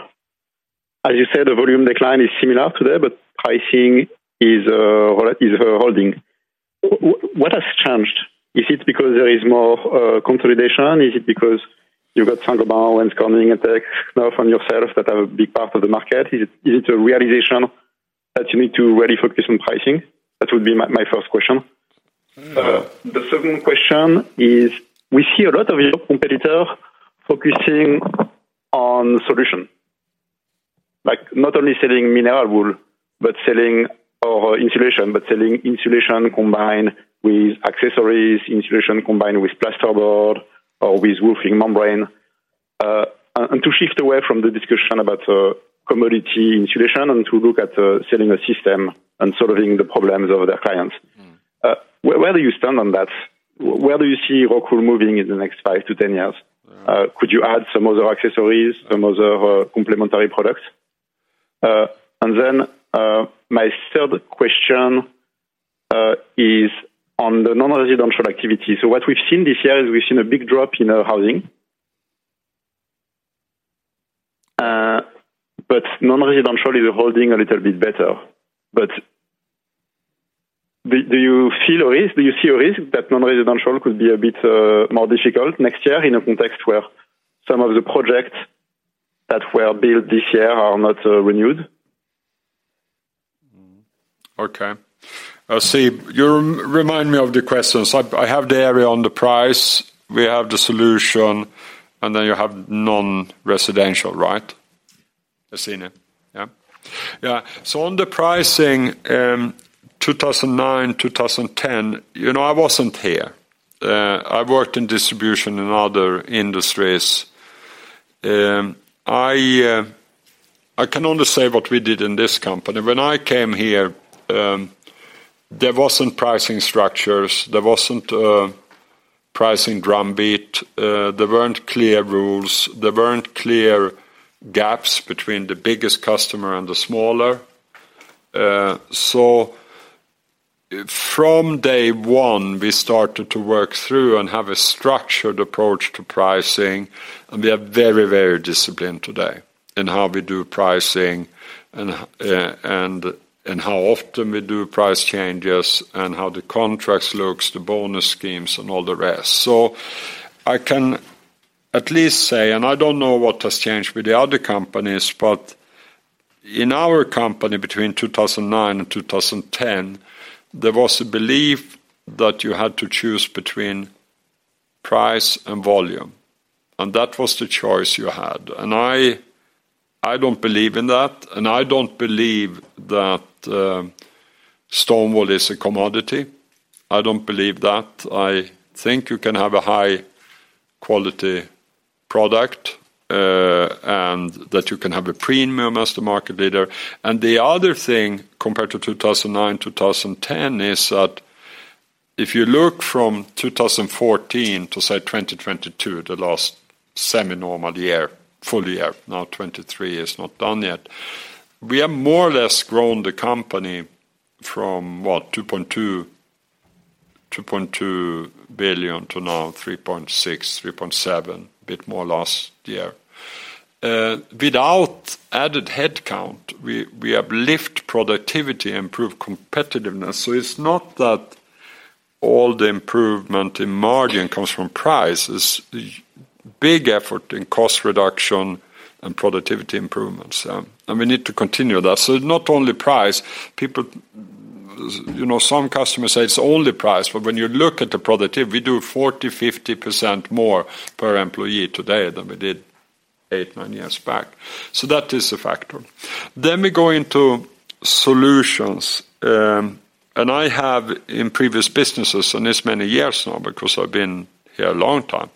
As you said, the volume decline is similar today, but pricing is, well, holding. What has changed? Is it because there is more consolidation? Is it because you've got Saint-Gobain and Kingspan now from yourselves that are a big part of the market? Is it a realization that you need to really focus on pricing? That would be my first question. The second question is, we see a lot of your competitors focusing on solution, like not only selling mineral wool, but selling insulation combined with accessories, insulation combined with plasterboard or with roofing membrane. And to shift away from the discussion about commodity insulation and to look at selling a system and solving the problems of their clients- Mm. Where do you stand on that? Where do you see ROCKWOOL moving in the next 5-10 years? Yeah. Could you add some other accessories, some other complementary products? And then, my third question is on the non-residential activity. So what we've seen this year is we've seen a big drop in housing, but non-residential is holding a little bit better. But do you see a risk? Do you see a risk that non-residential could be a bit more difficult next year in a context where some of the projects that were built this year are not renewed? Okay. See, you remind me of the questions. I have the area on the price, we have the solution, and then you have non-residential, right? I see now. Yeah. Yeah, so on the pricing, 2009, 2010, you know, I wasn't here. I worked in distribution in other industries. I can only say what we did in this company. When I came here, there wasn't pricing structures, there wasn't a pricing drum beat, there weren't clear rules, there weren't clear gaps between the biggest customer and the smaller. So from day 1, we started to work through and have a structured approach to pricing, and we are very, very disciplined today in how we do pricing and how often we do price changes, and how the contracts looks, the bonus schemes, and all the rest. So I can at least say, and I don't know what has changed with the other companies, but in our company, between 2009 and 2010, there was a belief that you had to choose between price and volume, and that was the choice you had. And I, I don't believe in that, and I don't believe that, stone wool is a commodity. I don't believe that. I think you can have a high-quality product, and that you can have a premium as the market leader. And the other thing, compared to 2009, 2010, is that if you look from 2014 to, say, 2022, the last semi-normal year, full year, now 2023 is not done yet. We have more or less grown the company from what? 2.2 billion to now 3.6, 3.7, a bit more last year. Without added headcount, we, we have lift productivity, improve competitiveness. So it's not that all the improvement in margin comes from price, is big effort in cost reduction and productivity improvements, and we need to continue that. So not only price, people, you know, some customers say it's only price, but when you look at the productivity, we do 40%-50% more per employee today than we did 8-9 years back. So that is a factor. Then we go into solutions, and I have in previous businesses, and it's many years now, because I've been here a long time.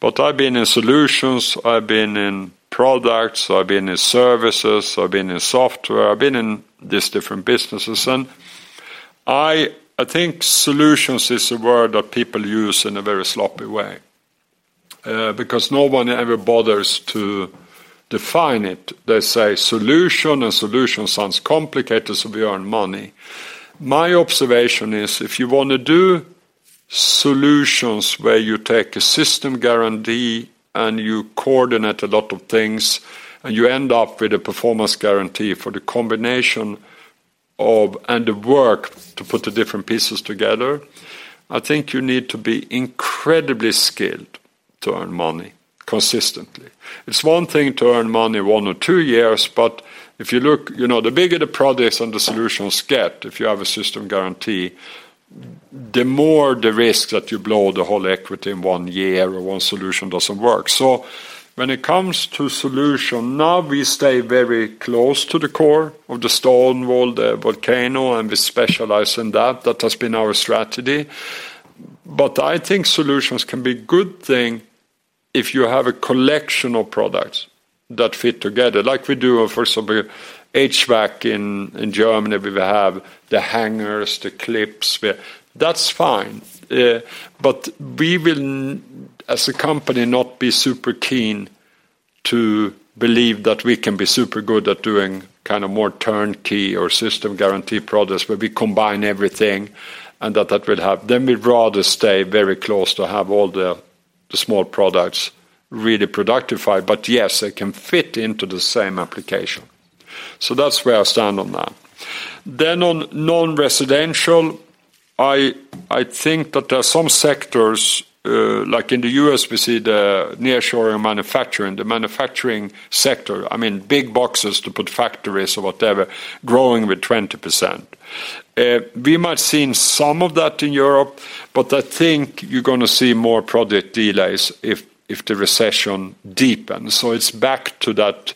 But I've been in solutions, I've been in products, I've been in services, I've been in software. I've been in these different businesses, and I think solutions is a word that people use in a very sloppy way, because no one ever bothers to define it. They say solution, and solution sounds complicated, so we earn money. My observation is if you wanna do solutions where you take a system guarantee and you coordinate a lot of things, and you end up with a performance guarantee for the combination of, and the work to put the different pieces together, I think you need to be incredibly skilled to earn money consistently. It's one thing to earn money one or two years, but if you look, you know, the bigger the products and the solutions get, if you have a system guarantee, the more the risk that you blow the whole equity in one year or one solution doesn't work. So when it comes to solution, now we stay very close to the core of the stone wool, the volcanic, and we specialize in that. That has been our strategy. But I think solutions can be a good thing if you have a collection of products that fit together, like we do, for so HVAC in Germany, we have the hangers, the clips. That's fine, but we will, as a company, not be super keen to believe that we can be super good at doing kind of more turnkey or system guarantee products, where we combine everything and that that will help. Then we'd rather stay very close to have all the small products really productified. But yes, they can fit into the same application. So that's where I stand on that. Then on non-residential, I think that there are some sectors, like in the U.S., we see the nearshoring manufacturing, the manufacturing sector. I mean, big boxes to put factories or whatever, growing with 20%. We might have seen some of that in Europe, but I think you're gonna see more project delays if the recession deepens. It's back to that,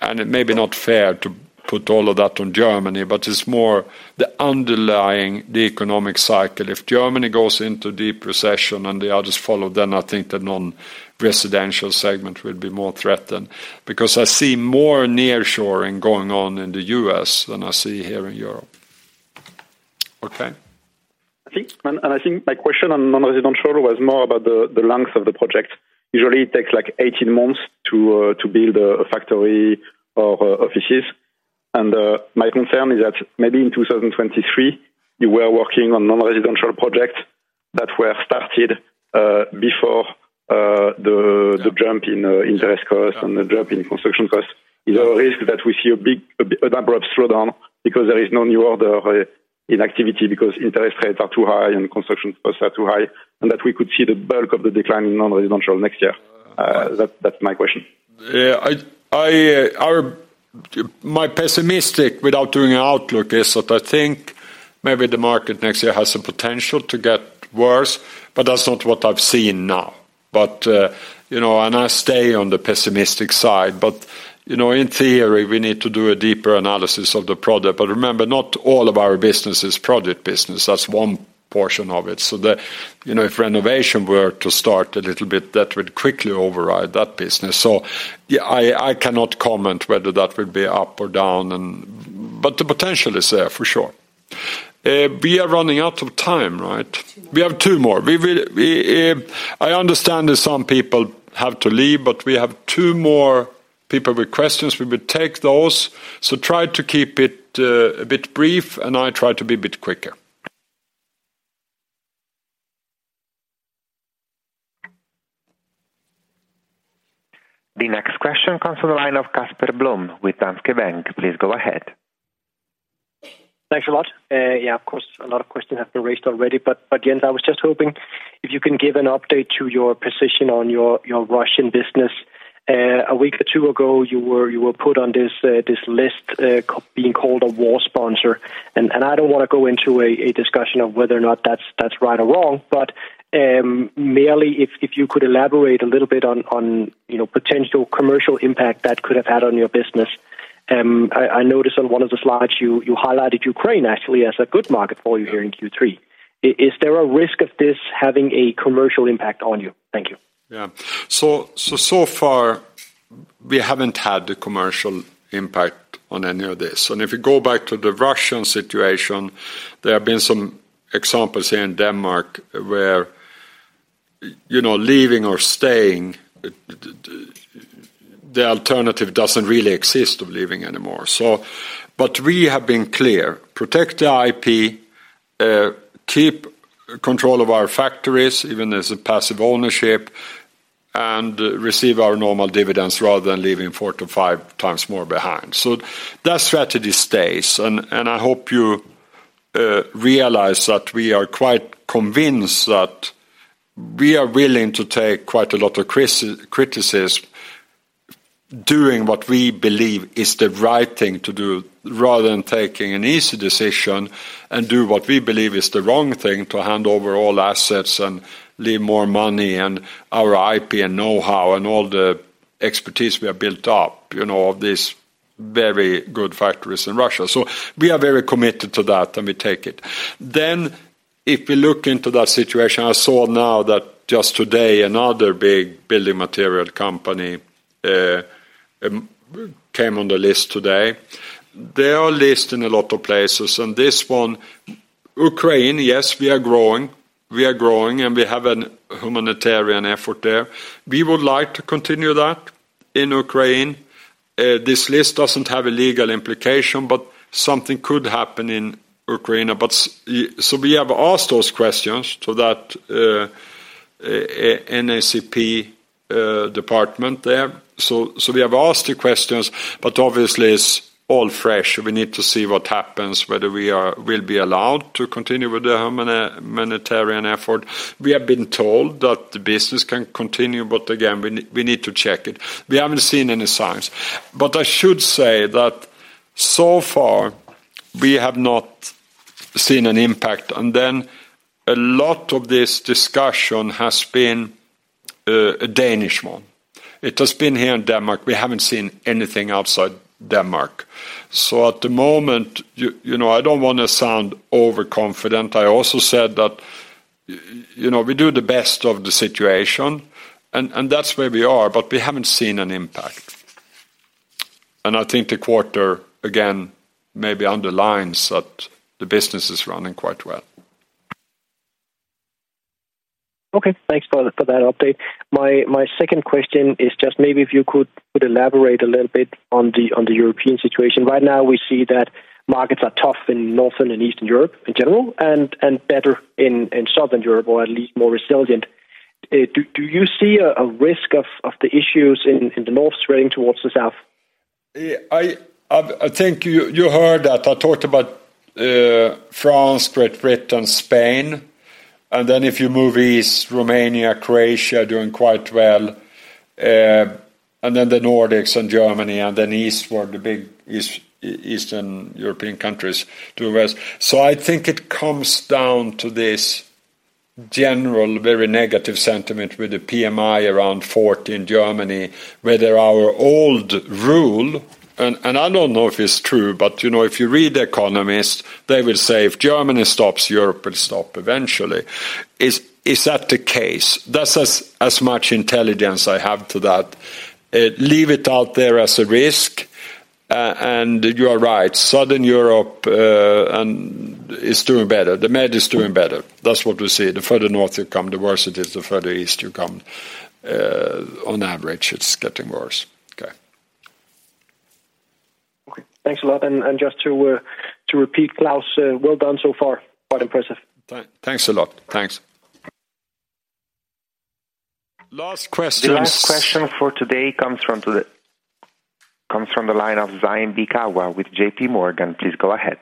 and it may be not fair to put all of that on Germany, but it's more the underlying the economic cycle. If Germany goes into deep recession and the others follow, then I think the non-residential segment will be more threatened, because I see more nearshoring going on in the U.S. than I see here in Europe. Okay. I think my question on non-residential was more about the length of the project. Usually it takes, like, 18 months to build a factory or offices. And my concern is that maybe in 2023, you were working on non-residential projects that were started before the jump in interest costs and the drop in construction costs. Is there a risk that we see a big, an abrupt slowdown because there is no new order in activity because interest rates are too high and construction costs are too high, and that we could see the bulk of the decline in non-residential next year? That's my question. Yeah, my pessimistic without doing an outlook is that I think maybe the market next year has the potential to get worse, but that's not what I've seen now. But you know, and I stay on the pessimistic side, but you know, in theory, we need to do a deeper analysis of the project. But remember, not all of our business is project business. That's one portion of it. So you know, if renovation were to start a little bit, that would quickly override that business. So, yeah, I cannot comment whether that would be up or down and... But the potential is there for sure. We are running out of time, right? Two more. We have two more. We will, I understand that some people have to leave, but we have two more people with questions. We will take those. So try to keep it a bit brief, and I try to be a bit quicker. The next question comes from the line of Casper Blom with Danske Bank. Please go ahead. Thanks a lot. Yeah, of course, a lot of questions have been raised already, but Jens, I was just hoping if you can give an update to your position on your Russian business. A week or two ago, you were put on this list, being called a war sponsor, and I don't wanna go into a discussion of whether or not that's right or wrong, but merely if you could elaborate a little bit on, you know, potential commercial impact that could have had on your business. I noticed on one of the slides you highlighted Ukraine actually as a good market for you here in Q3. Is there a risk of this having a commercial impact on you? Thank you. Yeah. So far, we haven't had the commercial impact on any of this. And if you go back to the Russian situation, there have been some examples here in Denmark, where, you know, leaving or staying, the alternative doesn't really exist of leaving anymore. But we have been clear, protect the IP, keep control of our factories, even as a passive ownership, and receive our normal dividends rather than leaving 4-5 times more behind. So that strategy stays, and I hope you realize that we are quite convinced that we are willing to take quite a lot of criticism, doing what we believe is the right thing to do, rather than taking an easy decision and do what we believe is the wrong thing, to hand over all assets and leave more money, and our IP, and know-how, and all the expertise we have built up, you know, of these very good factories in Russia. So we are very committed to that, and we take it. Then, if we look into that situation, I saw now that just today, another big building material company came on the list today. They are listed in a lot of places, and this one, Ukraine, yes, we are growing. We are growing, and we have a humanitarian effort there. We would like to continue that in Ukraine. This list doesn't have a legal implication, but something could happen in Ukraine. But so we have asked those questions to that, NACP, department there. So we have asked the questions, but obviously, it's all fresh, we need to see what happens, whether we'll be allowed to continue with the humanitarian effort. We have been told that the business can continue, but again, we need to check it. We haven't seen any signs. But I should say that so far, we have not seen an impact, and then a lot of this discussion has been, a Danish one. It has been here in Denmark. We haven't seen anything outside Denmark. So at the moment, you know, I don't wanna sound overconfident. I also said that, you know, we do the best of the situation, and, and that's where we are, but we haven't seen an impact. And I think the quarter, again, maybe underlines that the business is running quite well. Okay, thanks for that update. My second question is just maybe if you could elaborate a little bit on the European situation. Right now, we see that markets are tough in Northern and Eastern Europe in general, and better in Southern Europe, or at least more resilient. Do you see a risk of the issues in the north spreading towards the south? Yeah, I think you heard that I talked about France, Great Britain, Spain, and then if you move east, Romania, Croatia are doing quite well, and then the Nordics and Germany, and then eastward, the big Eastern European countries to the west. So I think it comes down to this general, very negative sentiment with the PMI around 40 in Germany, whether our old rule, and I don't know if it's true, but you know, if you read The Economist, they will say: "If Germany stops, Europe will stop eventually." Is that the case? That's as much intelligence I have to that. Leave it out there as a risk, and you are right, Southern Europe and is doing better. The Med is doing better. That's what we see. The further north you come, the worse it is, the further east you come, on average, it's getting worse. Okay. Okay, thanks a lot, and just to repeat, Claus, well done so far. Quite impressive. Thanks a lot. Thanks. Last questions- The last question for today comes from the line of [Simon Bikawa] with JPMorgan. Please go ahead.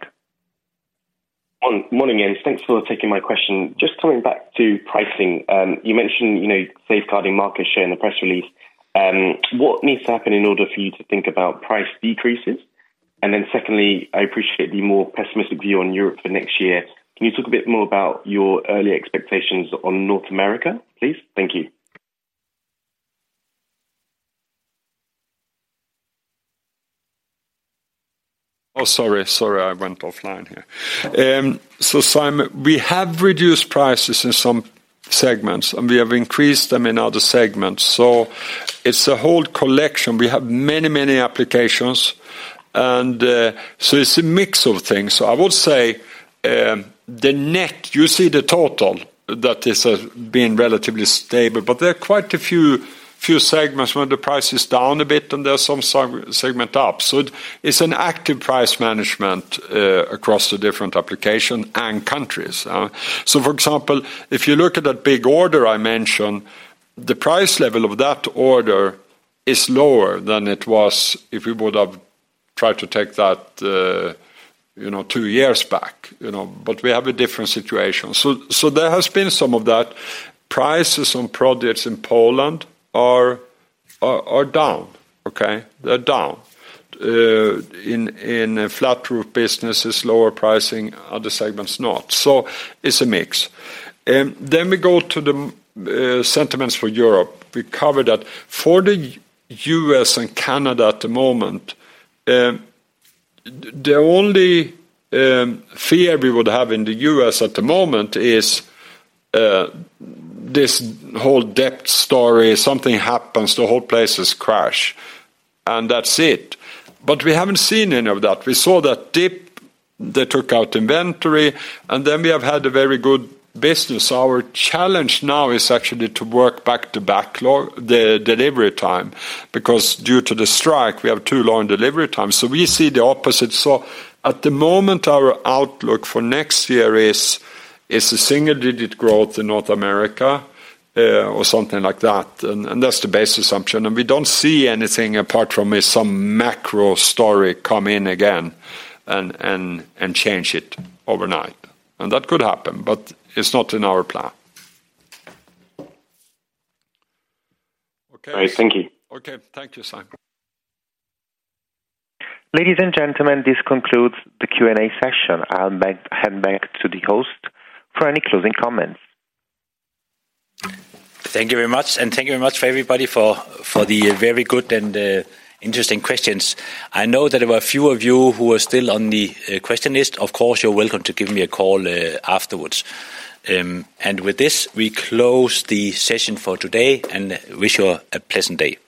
Morning, Jens. Thanks for taking my question. Just coming back to pricing, you mentioned, you know, safeguarding market share in the press release. What needs to happen in order for you to think about price decreases? And then secondly, I appreciate the more pessimistic view on Europe for next year. Can you talk a bit more about your early expectations on North America, please? Thank you. Oh, sorry, sorry, I went offline here. So Simon, we have reduced prices in some segments, and we have increased them in other segments, so it's a whole collection. We have many, many applications, and so it's a mix of things. So I would say, the net-- You see the total, that is, being relatively stable, but there are quite a few segments where the price is down a bit, and there are some segments up. So it's an active price management across the different application and countries. So for example, if you look at that big order I mentioned, the price level of that order is lower than it was if we would have tried to take that, you know, two years back, you know? But we have a different situation. So there has been some of that. Prices on products in Poland are down, okay? They're down. In flat roof business is lower pricing, other segments not. So it's a mix. And then we go to the sentiments for Europe. We covered that. For the U.S. and Canada at the moment, the only fear we would have in the U.S. at the moment is this whole debt story, something happens, the whole places crash, and that's it. But we haven't seen any of that. We saw that dip, they took out inventory, and then we have had a very good business. Our challenge now is actually to work back the backlog, the delivery time, because due to the strike, we have too long delivery time, so we see the opposite. So at the moment, our outlook for next year is a single-digit growth in North America, or something like that, and that's the base assumption. And we don't see anything apart from if some macro story come in again and change it overnight, and that could happen, but it's not in our plan. Okay. All right, thank you. Okay, thank you, Simon. Ladies and gentlemen, this concludes the Q&A session. I'll head back to the host for any closing comments. Thank you very much, and thank you very much for everybody for the very good and interesting questions. I know that there were a few of you who were still on the question list. Of course, you're welcome to give me a call afterwards. And with this, we close the session for today and wish you a pleasant day.